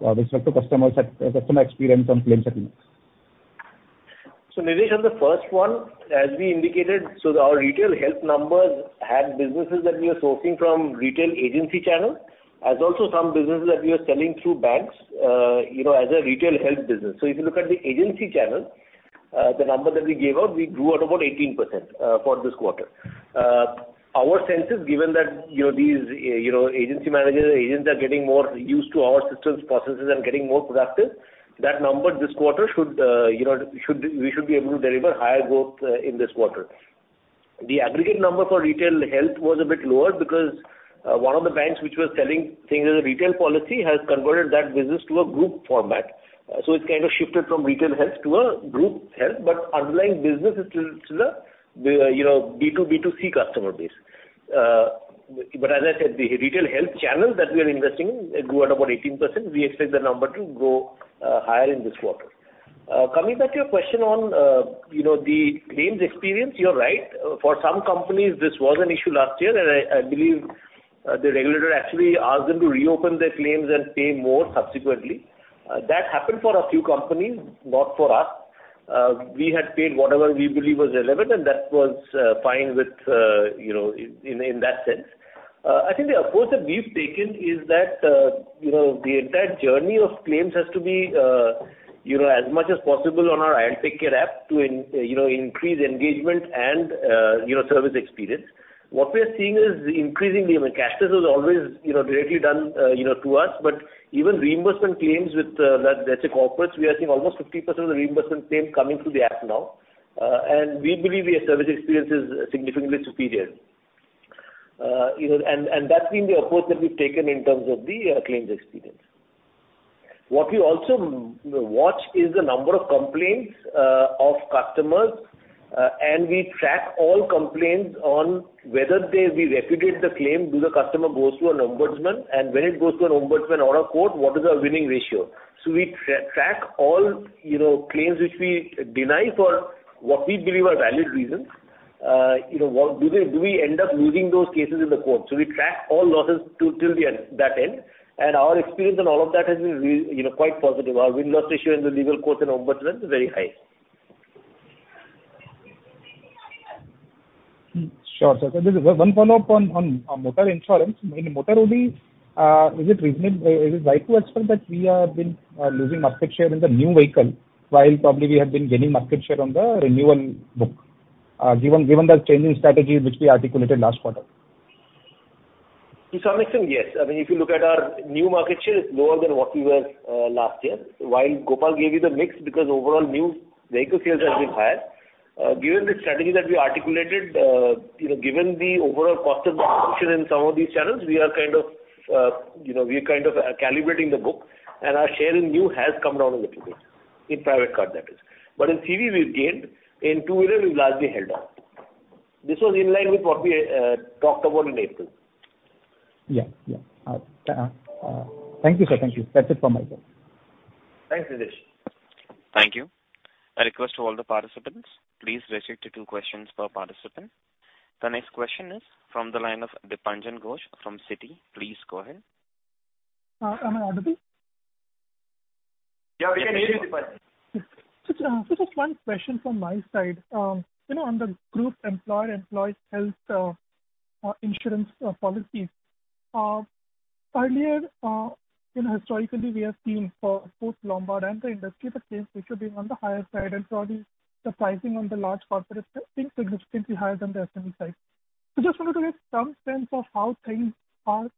with respect to customer experience on claim settlements? Nitesh, on the first one, as we indicated, our retail health numbers had businesses that we are sourcing from retail agency channel, as also some businesses that we are selling through banks, you know, as a retail health business. If you look at the agency channel, the number that we gave out, we grew at about 18% for this quarter. Our sense is given that, you know, these, you know, agency managers, agents are getting more used to our systems, processes and getting more productive, that number this quarter should, you know, we should be able to deliver higher growth in this quarter. The aggregate number for retail health was a bit lower because one of the banks which was selling things as a retail policy has converted that business to a group format. It's kind of shifted from retail health to a group health, but underlying business is still a you know, B to B to C customer base. But as I said, the retail health channel that we are investing in, it grew at about 18%. We expect the number to grow higher in this quarter. Coming back to your question on you know, the claims experience, you're right. For some companies, this was an issue last year, and I believe the regulator actually asked them to reopen their claims and pay more subsequently. That happened for a few companies, not for us. We had paid whatever we believe was relevant, and that was fine with you know, in that sense. I think the approach that we've taken is that, you know, the entire journey of claims has to be, you know, as much as possible on our ILTakeCare app to you know, increase engagement and, you know, service experience. What we are seeing is increasingly, I mean, cashless was always, you know, directly done, you know, to us, but even reimbursement claims with, let's say corporates, we are seeing almost 50% of the reimbursement claims coming through the app now. We believe our service experience is significantly superior. You know, that's been the approach that we've taken in terms of the claims experience. What we also watch is the number of complaints of customers, and we track all complaints on whether we repudiate the claim, or the customer goes to an ombudsman, and when it goes to an ombudsman or a court, what is our winning ratio? We track all, you know, claims which we deny for what we believe are valid reasons. You know, what do we end up losing those cases in the court? We track all losses till the end, that end. Our experience on all of that has been, you know, quite positive. Our win-loss ratio in the legal courts and ombudsman is very high. Sure, sir. One follow-up on motor insurance. In motor only, is it reasonable, is it right to expect that we are been losing market share in the new vehicle, while probably we have been gaining market share on the renewal book, given the changing strategy which we articulated last quarter? To some extent, yes. I mean, if you look at our new market share, it's lower than what we were last year. While Gopal gave you the mix because overall new vehicle sales have been higher. Given the strategy that we articulated, you know, given the overall cost of acquisition in some of these channels, we are kind of, you know, we are kind of calibrating the book, and our share in new has come down a little bit, in private car that is. But in CV we've gained, in two-wheeler we've largely held on. This was in line with what we talked about in April. Yeah. Thank you, sir. That's it from my side. Thanks, Nitesh. Thank you. A request to all the participants, please restrict to two questions per participant. The next question is from the line of Dipanjan Ghosh from Citi. Please go ahead. Hello. Yeah, we can hear you, Dipanjan. Sir, just one question from my side. You know, on the group employer-employee health insurance policies, earlier, you know, historically we have seen for both Lombard and the industry, the claims ratio being on the higher side and probably the pricing on the large corporate is significantly higher than the SME side. Just wanted to get some sense of how things are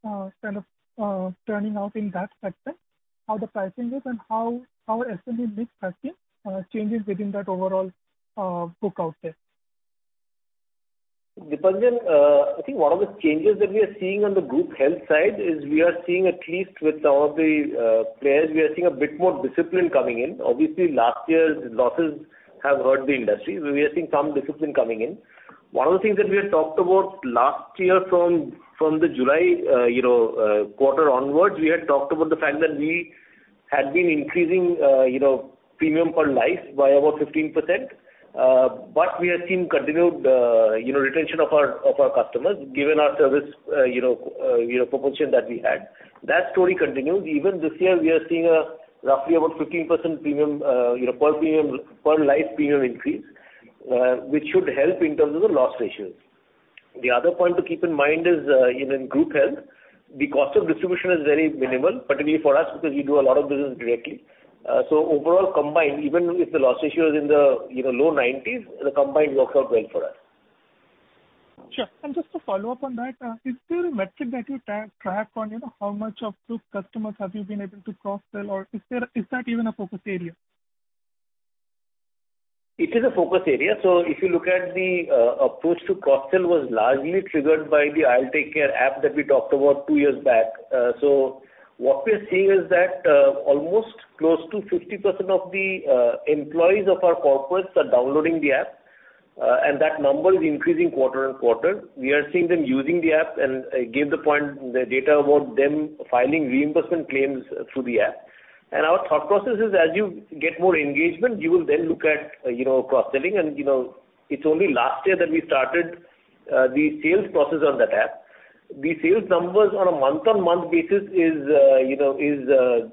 kind of turning out in that sector, how the pricing is and how our SME mix has seen changes within that overall book out there. Dipanjan, I think one of the changes that we are seeing on the group health side is we are seeing at least with some of the players, we are seeing a bit more discipline coming in. Obviously, last year's losses have hurt the industry. We are seeing some discipline coming in. One of the things that we had talked about last year from the July you know quarter onwards, we had talked about the fact that we had been increasing you know premium per life by about 15%. But we have seen continued you know retention of our customers given our service you know proposition that we had. That story continued. Even this year, we are seeing a roughly about 15% premium, you know, per premium, per life premium increase, which should help in terms of the loss ratios. The other point to keep in mind is, you know, in group health, the cost of distribution is very minimal, particularly for us because we do a lot of business directly. Overall combined ratio, even if the loss ratio is in the low 90s, the combined ratio works out well for us. Sure. Just to follow up on that, is there a metric that you track on, you know, how much of group customers have you been able to cross-sell or is there, is that even a focus area? It is a focus area. If you look at the approach to cross-sell was largely triggered by the ILTakeCare app that we talked about two years back. What we're seeing is that almost close to 50% of the employees of our corporates are downloading the app. That number is increasing quarter on quarter. We are seeing them using the app and I gave the point, the data about them filing reimbursement claims through the app. Our thought process is, as you get more engagement, you will then look at, you know, cross-selling and, you know, it's only last year that we started the sales process on that app. The sales numbers on a month-on-month basis is, you know,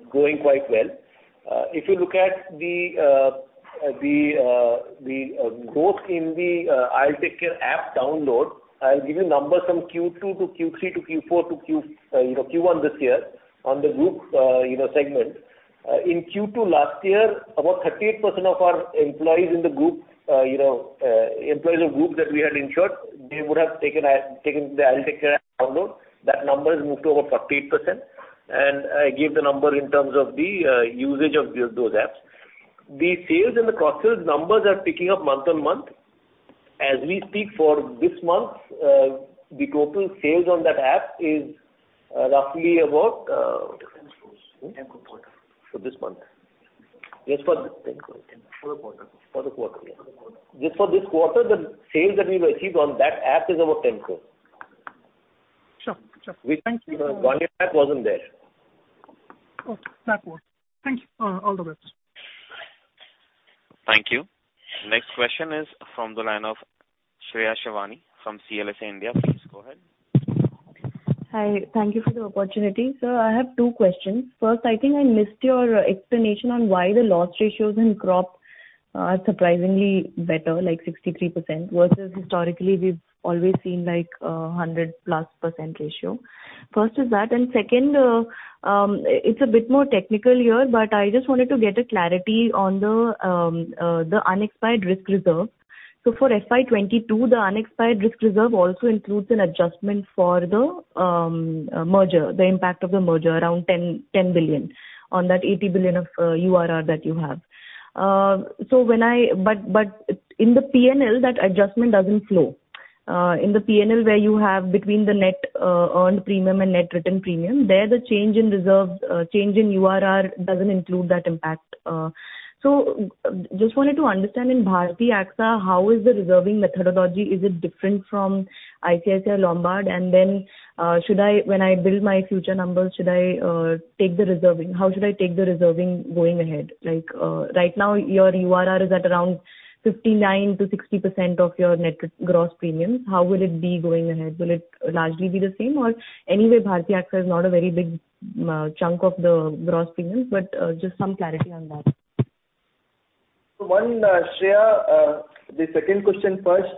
growing quite well. If you look at the growth in the I'll Take Care app download, I'll give you numbers from Q2 to Q3-Q4-Q1 this year on the group segment. In Q2 last year, about 38% of our employees in the group, employees of group that we had insured, they would have taken the I'll Take Care app download. That number has moved to over 48%. I gave the number in terms of the usage of those apps. The sales and the cross-sales numbers are ticking up month-on-month. As we speak for this month, the total sales on that app is roughly about INR 10 crores. Hmm? INR 10 crore. For this month. Just for this month. For the quarter. For the quarter, yeah. For the quarter. Just for this quarter, the sales that we've achieved on that app is about 10 crore. Sure. Sure. Thank you. Which, you know, one year back wasn't there. Okay. That works. Thank you. All the best. Thank you. Next question is from the line of Shreya Shivani from CLSA India. Please go ahead. Hi. Thank you for the opportunity. Sir, I have two questions. First, I think I missed your explanation on why the loss ratios in crop are surprisingly better, like 63% versus historically we've always seen like 100+% ratio. First is that, and second, it's a bit more technical here, but I just wanted to get a clarity on the unexpired risk reserve. For FY22, the unexpired risk reserve also includes an adjustment for the merger, the impact of the merger, around 10 billion on that 80 billion of URR that you have. But in the P&L, that adjustment doesn't flow. In the P&L where you have between the net earned premium and net written premium, there the change in reserve, change in URR doesn't include that impact. Just wanted to understand in Bharti AXA, how is the reserving methodology? Is it different from ICICI Lombard? When I build my future numbers, should I take the reserving? How should I take the reserving going ahead? Like, right now your URR is at around 59%-60% of your net gross premiums. How will it be going ahead? Will it largely be the same? Anyway, Bharti AXA is not a very big chunk of the gross premiums, but just some clarity on that. One, Shreya, the second question first.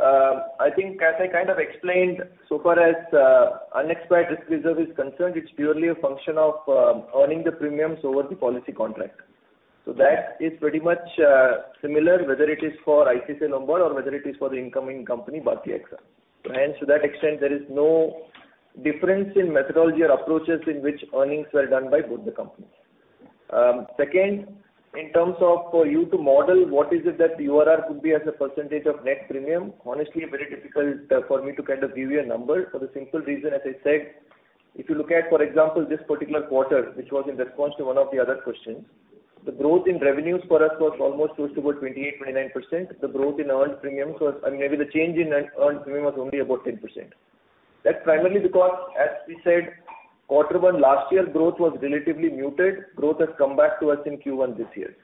I think as I kind of explained, so far as unexpired risk reserve is concerned, it's purely a function of earning the premiums over the policy contract. That is pretty much similar whether it is for ICICI Lombard or whether it is for the incoming company, Bharti AXA. To that extent, there is no difference in methodology or approaches in which earnings were done by both the companies. Second, in terms of for you to model what is it that URR could be as a percentage of net premium, honestly very difficult for me to kind of give you a number for the simple reason, as I said, if you look at, for example, this particular quarter, which was in response to one of the other questions, the growth in revenues for us was almost close to about 28-29%. The change in earned premium was only about 10%. That's primarily because as we said, quarter one last year, growth was relatively muted. Growth has come back to us in Q1 this year.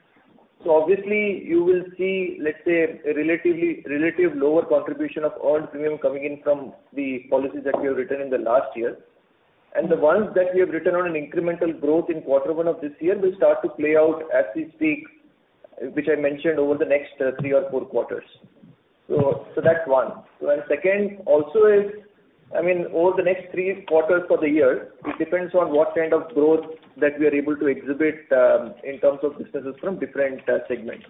Obviously you will see, let's say, a relatively lower contribution of earned premium coming in from the policies that we have written in the last year. The ones that we have written on an incremental growth in quarter one of this year will start to play out as we speak, which I mentioned over the next three or four quarters. That's one. Second also is, I mean, over the next three quarters for the year, it depends on what kind of growth that we are able to exhibit in terms of businesses from different segments.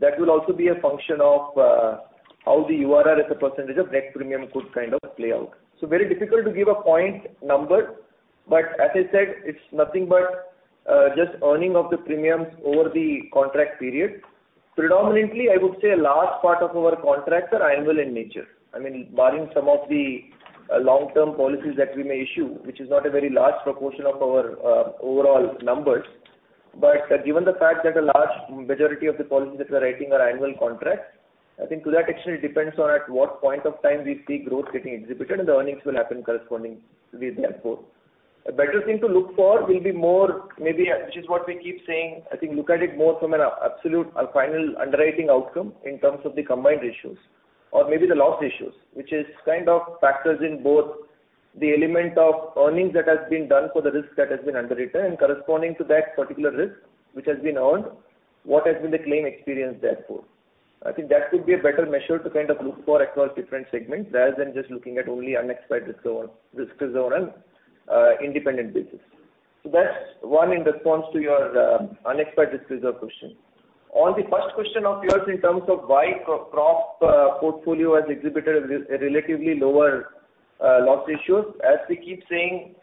That will also be a function of how the URR as a percentage of net premium could kind of play out. Very difficult to give a point number, but as I said, it's nothing but just earning of the premiums over the contract period. Predominantly, I would say a large part of our contracts are annual in nature. I mean, barring some of the long-term policies that we may issue, which is not a very large proportion of our overall numbers. Given the fact that a large majority of the policies that we are writing are annual contracts, I think to that extent it depends on at what point of time we see growth getting exhibited, and the earnings will happen correspondingly therefore. A better thing to look for will be more maybe, which is what we keep saying, I think look at it more from an absolute or final underwriting outcome in terms of the combined ratios or maybe the loss ratios, which is kind of factors in both the element of earnings that has been done for the risk that has been underwritten and corresponding to that particular risk which has been earned, what has been the claim experience therefore. I think that could be a better measure to kind of look for across different segments, rather than just looking at only unexpired risk reserve on a independent basis. That's one in response to your unexpired risk reserve question. On the first question of yours in terms of why crop portfolio has exhibited a relatively lower loss ratios, as we keep saying,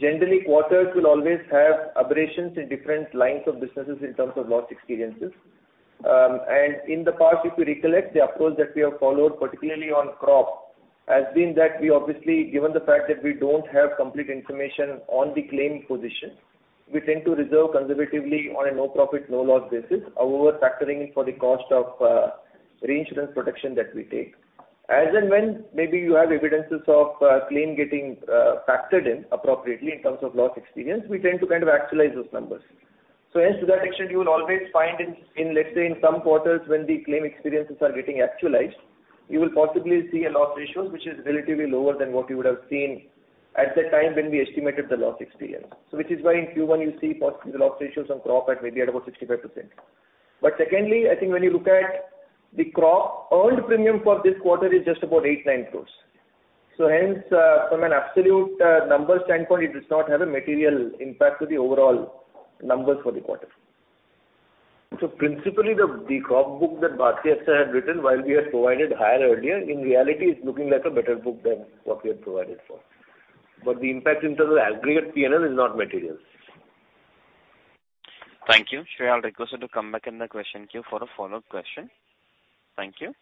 generally quarters will always have aberrations in different lines of businesses in terms of loss experiences. In the past, if you recollect, the approach that we have followed, particularly on crop, has been that we obviously, given the fact that we don't have complete information on the claim position, we tend to reserve conservatively on a no profit, no loss basis. However, factoring for the cost of reinsurance protection that we take. As and when maybe you have evidence of claims getting factored in appropriately in terms of loss experience, we tend to kind of actualize those numbers. Hence, to that extent, you will always find in, let's say, in some quarters when the claim experiences are getting actualized, you will possibly see a loss ratio which is relatively lower than what you would have seen at that time when we estimated the loss experience. Which is why in Q1 you see possibly the loss ratios on crop at maybe at about 65%. Secondly, I think when you look at the crop earned premium for this quarter is just about 8-9 crores. Hence, from an absolute number standpoint, it does not have a material impact to the overall numbers for the quarter. Principally the crop book that Bharti AXA had written while we had provided higher earlier, in reality it's looking like a better book than what we had provided for. The impact in terms of aggregate P&L is not material. Thank you. Shreya, I'll request you to come back in the question queue for a follow-up question. Thank you.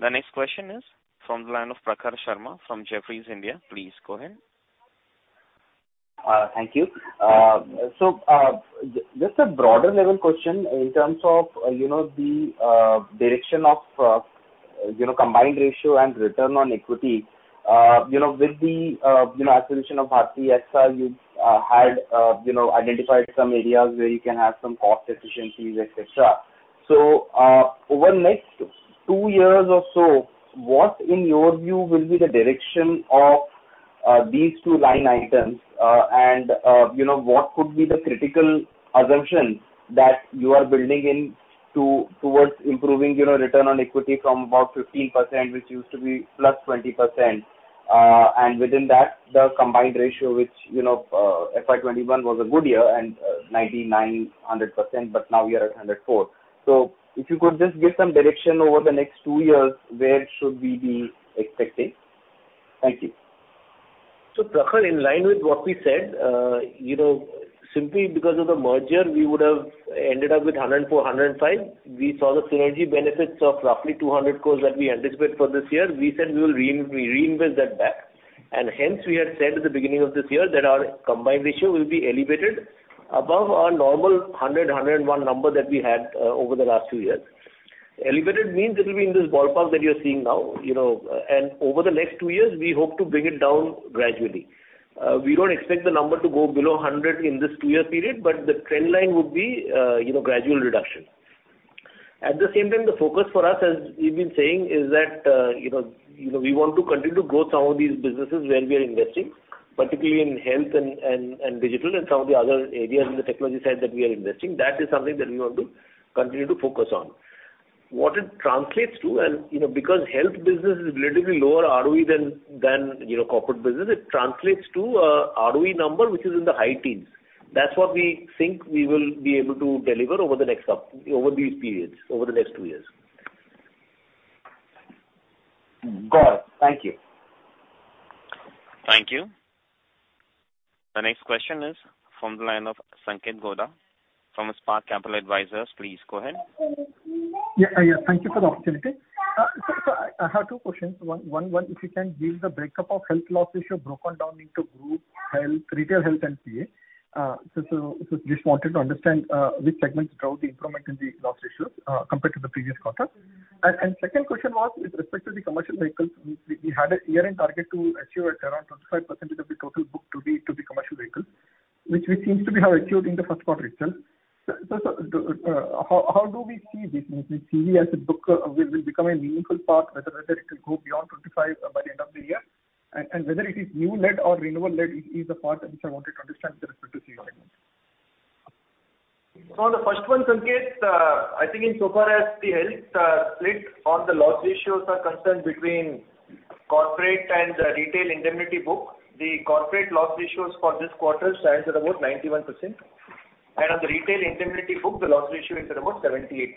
The next question is from the line of Prakhar Sharma from Jefferies India. Please go ahead. Thank you. Just a broader level question in terms of, you know, the direction of, you know, combined ratio and return on equity. You know, with the acquisition of Bharti AXA, you've had identified some areas where you can have some cost efficiencies, et cetera. Over next two years or so, what in your view will be the direction of these two line items? You know, what could be the critical assumption that you are building in to, towards improving, you know, return on equity from about 15%, which used to be +20%. Within that, the combined ratio, which, you know, FY21 was a good year and 99%-100%, but now we are at 104. If you could just give some direction over the next two years, where should we be expecting? Thank you. Prakhar, in line with what we said, you know, simply because of the merger, we would have ended up with 104-105. We saw the synergy benefits of roughly 200 crore that we anticipate for this year. We said we will reinvest that back, and hence we had said at the beginning of this year that our combined ratio will be elevated above our normal 100-101 number that we had over the last two years. Elevated means it will be in this ballpark that you're seeing now, you know, and over the next two years, we hope to bring it down gradually. We don't expect the number to go below 100 in this two-year period, but the trend line would be, you know, gradual reduction. At the same time, the focus for us, as we've been saying, is that, you know, we want to continue to grow some of these businesses where we are investing, particularly in health and digital and some of the other areas in the technology side that we are investing. That is something that we want to continue to focus on. What it translates to and, you know, because health business is relatively lower ROE than you know, corporate business, it translates to a ROE number which is in the high teens. That's what we think we will be able to deliver over these periods, over the next two years. Got it. Thank you. Thank you. The next question is from the line of Sanket Godha from Spark Capital Advisors. Please go ahead. Thank you for the opportunity. So I have two questions. One, if you can give the breakup of health loss ratio broken down into group health, retail health, and PA. So just wanted to understand which segments drove the improvement in the loss ratios compared to the previous quarter. Second question was with respect to the commercial vehicles, we had a year-end target to achieve at around 25% of the total book to be commercial vehicles, which seems to have been achieved in the first quarter itself. How do we see this? We see as a book will become a meaningful part, whether it will go beyond 25 by the end of the year, and whether it is new lead or renewal lead is the part which I wanted to understand with respect to CV line? On the first one, Sanket, I think in so far as the health split on the loss ratios are concerned between corporate and retail indemnity book, the corporate loss ratios for this quarter stands at about 91%. On the retail indemnity book, the loss ratio is at about 78%.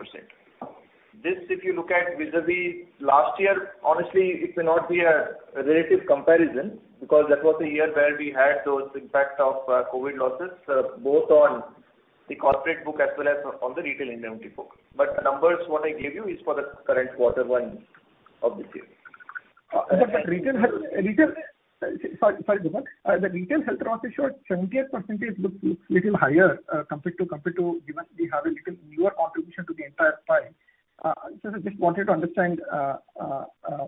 This, if you look at vis-a-vis last year, honestly it may not be a relative comparison because that was a year where we had those impact of COVID losses both on the corporate book as well as on the retail indemnity book. The numbers what I gave you is for the current quarter one of this year. Sorry, sorry, Gopal. The retail health loss ratio at 78% looks little higher compared to given we have a little newer contribution to the entire pie. I just wanted to understand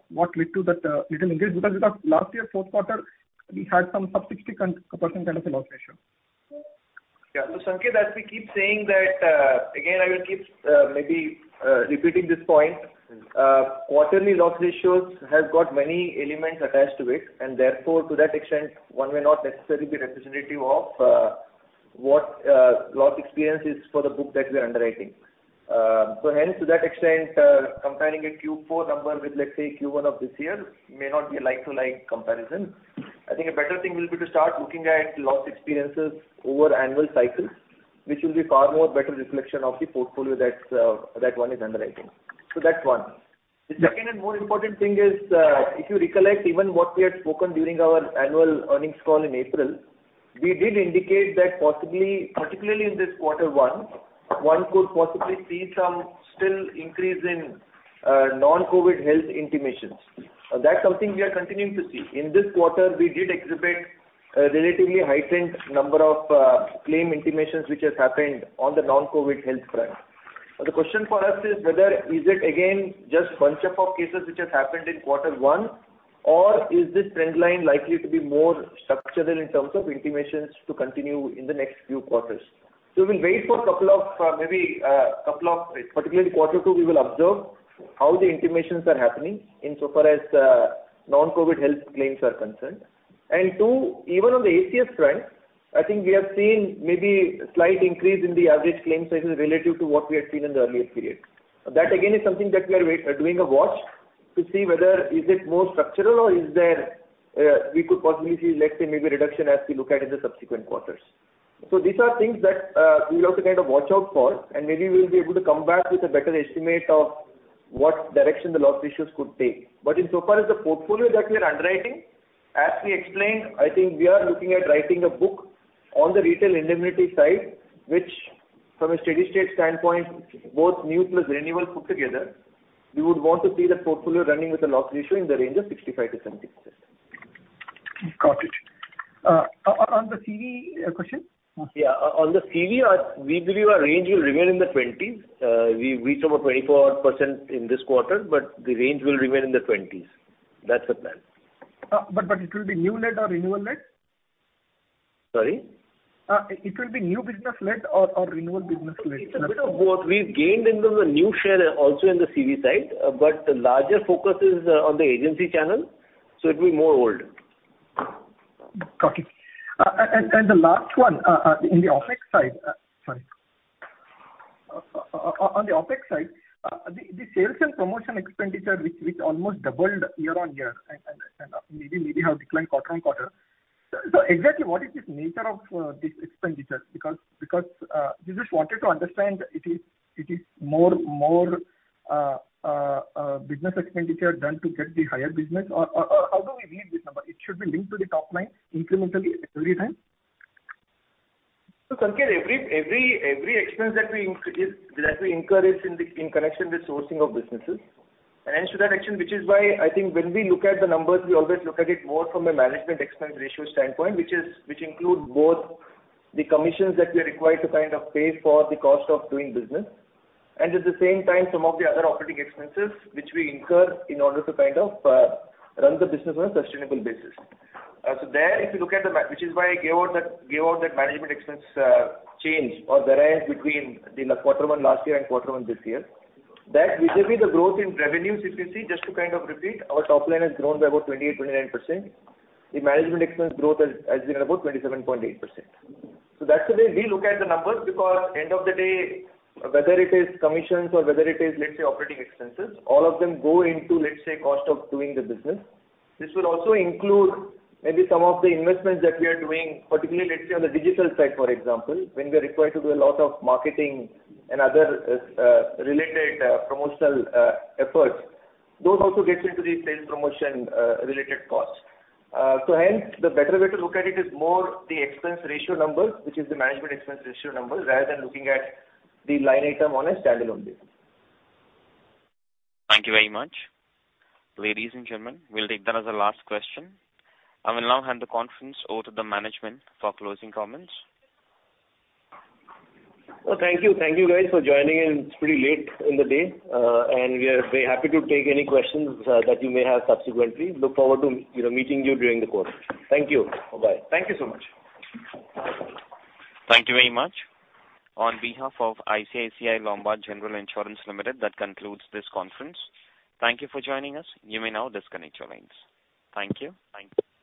what led to that little increase because last year's fourth quarter we had some sub 60% kind of a loss ratio. Yeah. Sanket, as we keep saying that, again, I will keep maybe repeating this point. Quarterly loss ratios have got many elements attached to it and therefore to that extent one may not necessarily be representative of what loss experience is for the book that we are underwriting. Hence to that extent, comparing a Q4 number with, let's say, Q1 of this year may not be a like-for-like comparison. I think a better thing will be to start looking at loss experiences over annual cycles, which will be far more better reflection of the portfolio that's that one is underwriting. That's one. The second and more important thing is, if you recollect even what we had spoken during our annual earnings call in April, we did indicate that possibly, particularly in this quarter one, could possibly see some slight increase in, non-COVID health intimations. That's something we are continuing to see. In this quarter, we did exhibit a relatively heightened number of, claim intimations which has happened on the non-COVID health front. The question for us is whether is it again just bunch of our cases which has happened in quarter one or is this trend line likely to be more structural in terms of intimations to continue in the next few quarters. We'll wait for a couple of, maybe, couple of weeks, particularly quarter two we will observe how the intimations are happening in so far as, non-COVID health claims are concerned. Two, even on the ACS front, I think we have seen maybe a slight increase in the average claim sizes relative to what we had seen in the earlier period. That again is something that we are watching to see whether it is more structural or if there we could possibly see, let's say maybe a reduction as we look ahead in the subsequent quarters. These are things that we'll also kind of watch out for and maybe we'll be able to come back with a better estimate of what direction the loss ratios could take. In so far as the portfolio that we are underwriting, as we explained, I think we are looking at writing a book on the retail indemnity side, which from a steady-state standpoint, both new plus renewals put together, we would want to see the portfolio running with a loss ratio in the range of 65%-70%. Got it. On the CV question. On the CV, we believe our range will remain in the 20s. We reached over 24% in this quarter, but the range will remain in the 20s. That's the plan. It will be new led or renewal led? Sorry? It will be new business led or renewal business led? It's a bit of both. We've gained in terms of new share also in the CV side, but the larger focus is on the agency channel, so it'll be more old. Got it. And the last one in the OpEx side, sorry. On the OpEx side, the sales and promotion expenditure which almost doubled year-over-year and maybe have declined quarter-over-quarter. So exactly what is the nature of this expenditure? Because we just wanted to understand it is more business expenditure done to get the higher business or how do we read this number? It should be linked to the top line incrementally every time? Sanket, every expense that we incur is in connection with sourcing of businesses. To that end, which is why I think when we look at the numbers, we always look at it more from a management expense ratio standpoint, which include both the commissions that we are required to kind of pay for the cost of doing business. At the same time, some of the other operating expenses which we incur in order to kind of run the business on a sustainable basis. Which is why I gave out that management expense change or variance between quarter one last year and quarter one this year. That vis-a-vis the growth in revenues, if you see, just to kind of repeat, our top line has grown by about 28%-29%. The management expense growth has been about 27.8%. That's the way we look at the numbers because end of the day, whether it is commissions or whether it is, let's say, operating expenses, all of them go into, let's say, cost of doing the business. This will also include maybe some of the investments that we are doing, particularly let's say on the digital side, for example, when we are required to do a lot of marketing and other related promotional efforts. Those also gets into the sales promotion related costs. Hence, the better way to look at it is more the expense ratio number, which is the management expense ratio number, rather than looking at the line item on a standalone basis. Thank you very much. Ladies and gentlemen, we'll take that as our last question. I will now hand the conference over to the management for closing comments. Well, thank you. Thank you guys for joining in. It's pretty late in the day, and we are very happy to take any questions that you may have subsequently. Look forward to, you know, meeting you during the course. Thank you. Bye-bye. Thank you so much. Thank you very much. On behalf of ICICI Lombard General Insurance Company Limited, that concludes this conference. Thank you for joining us. You may now disconnect your lines. Thank you. Thank you.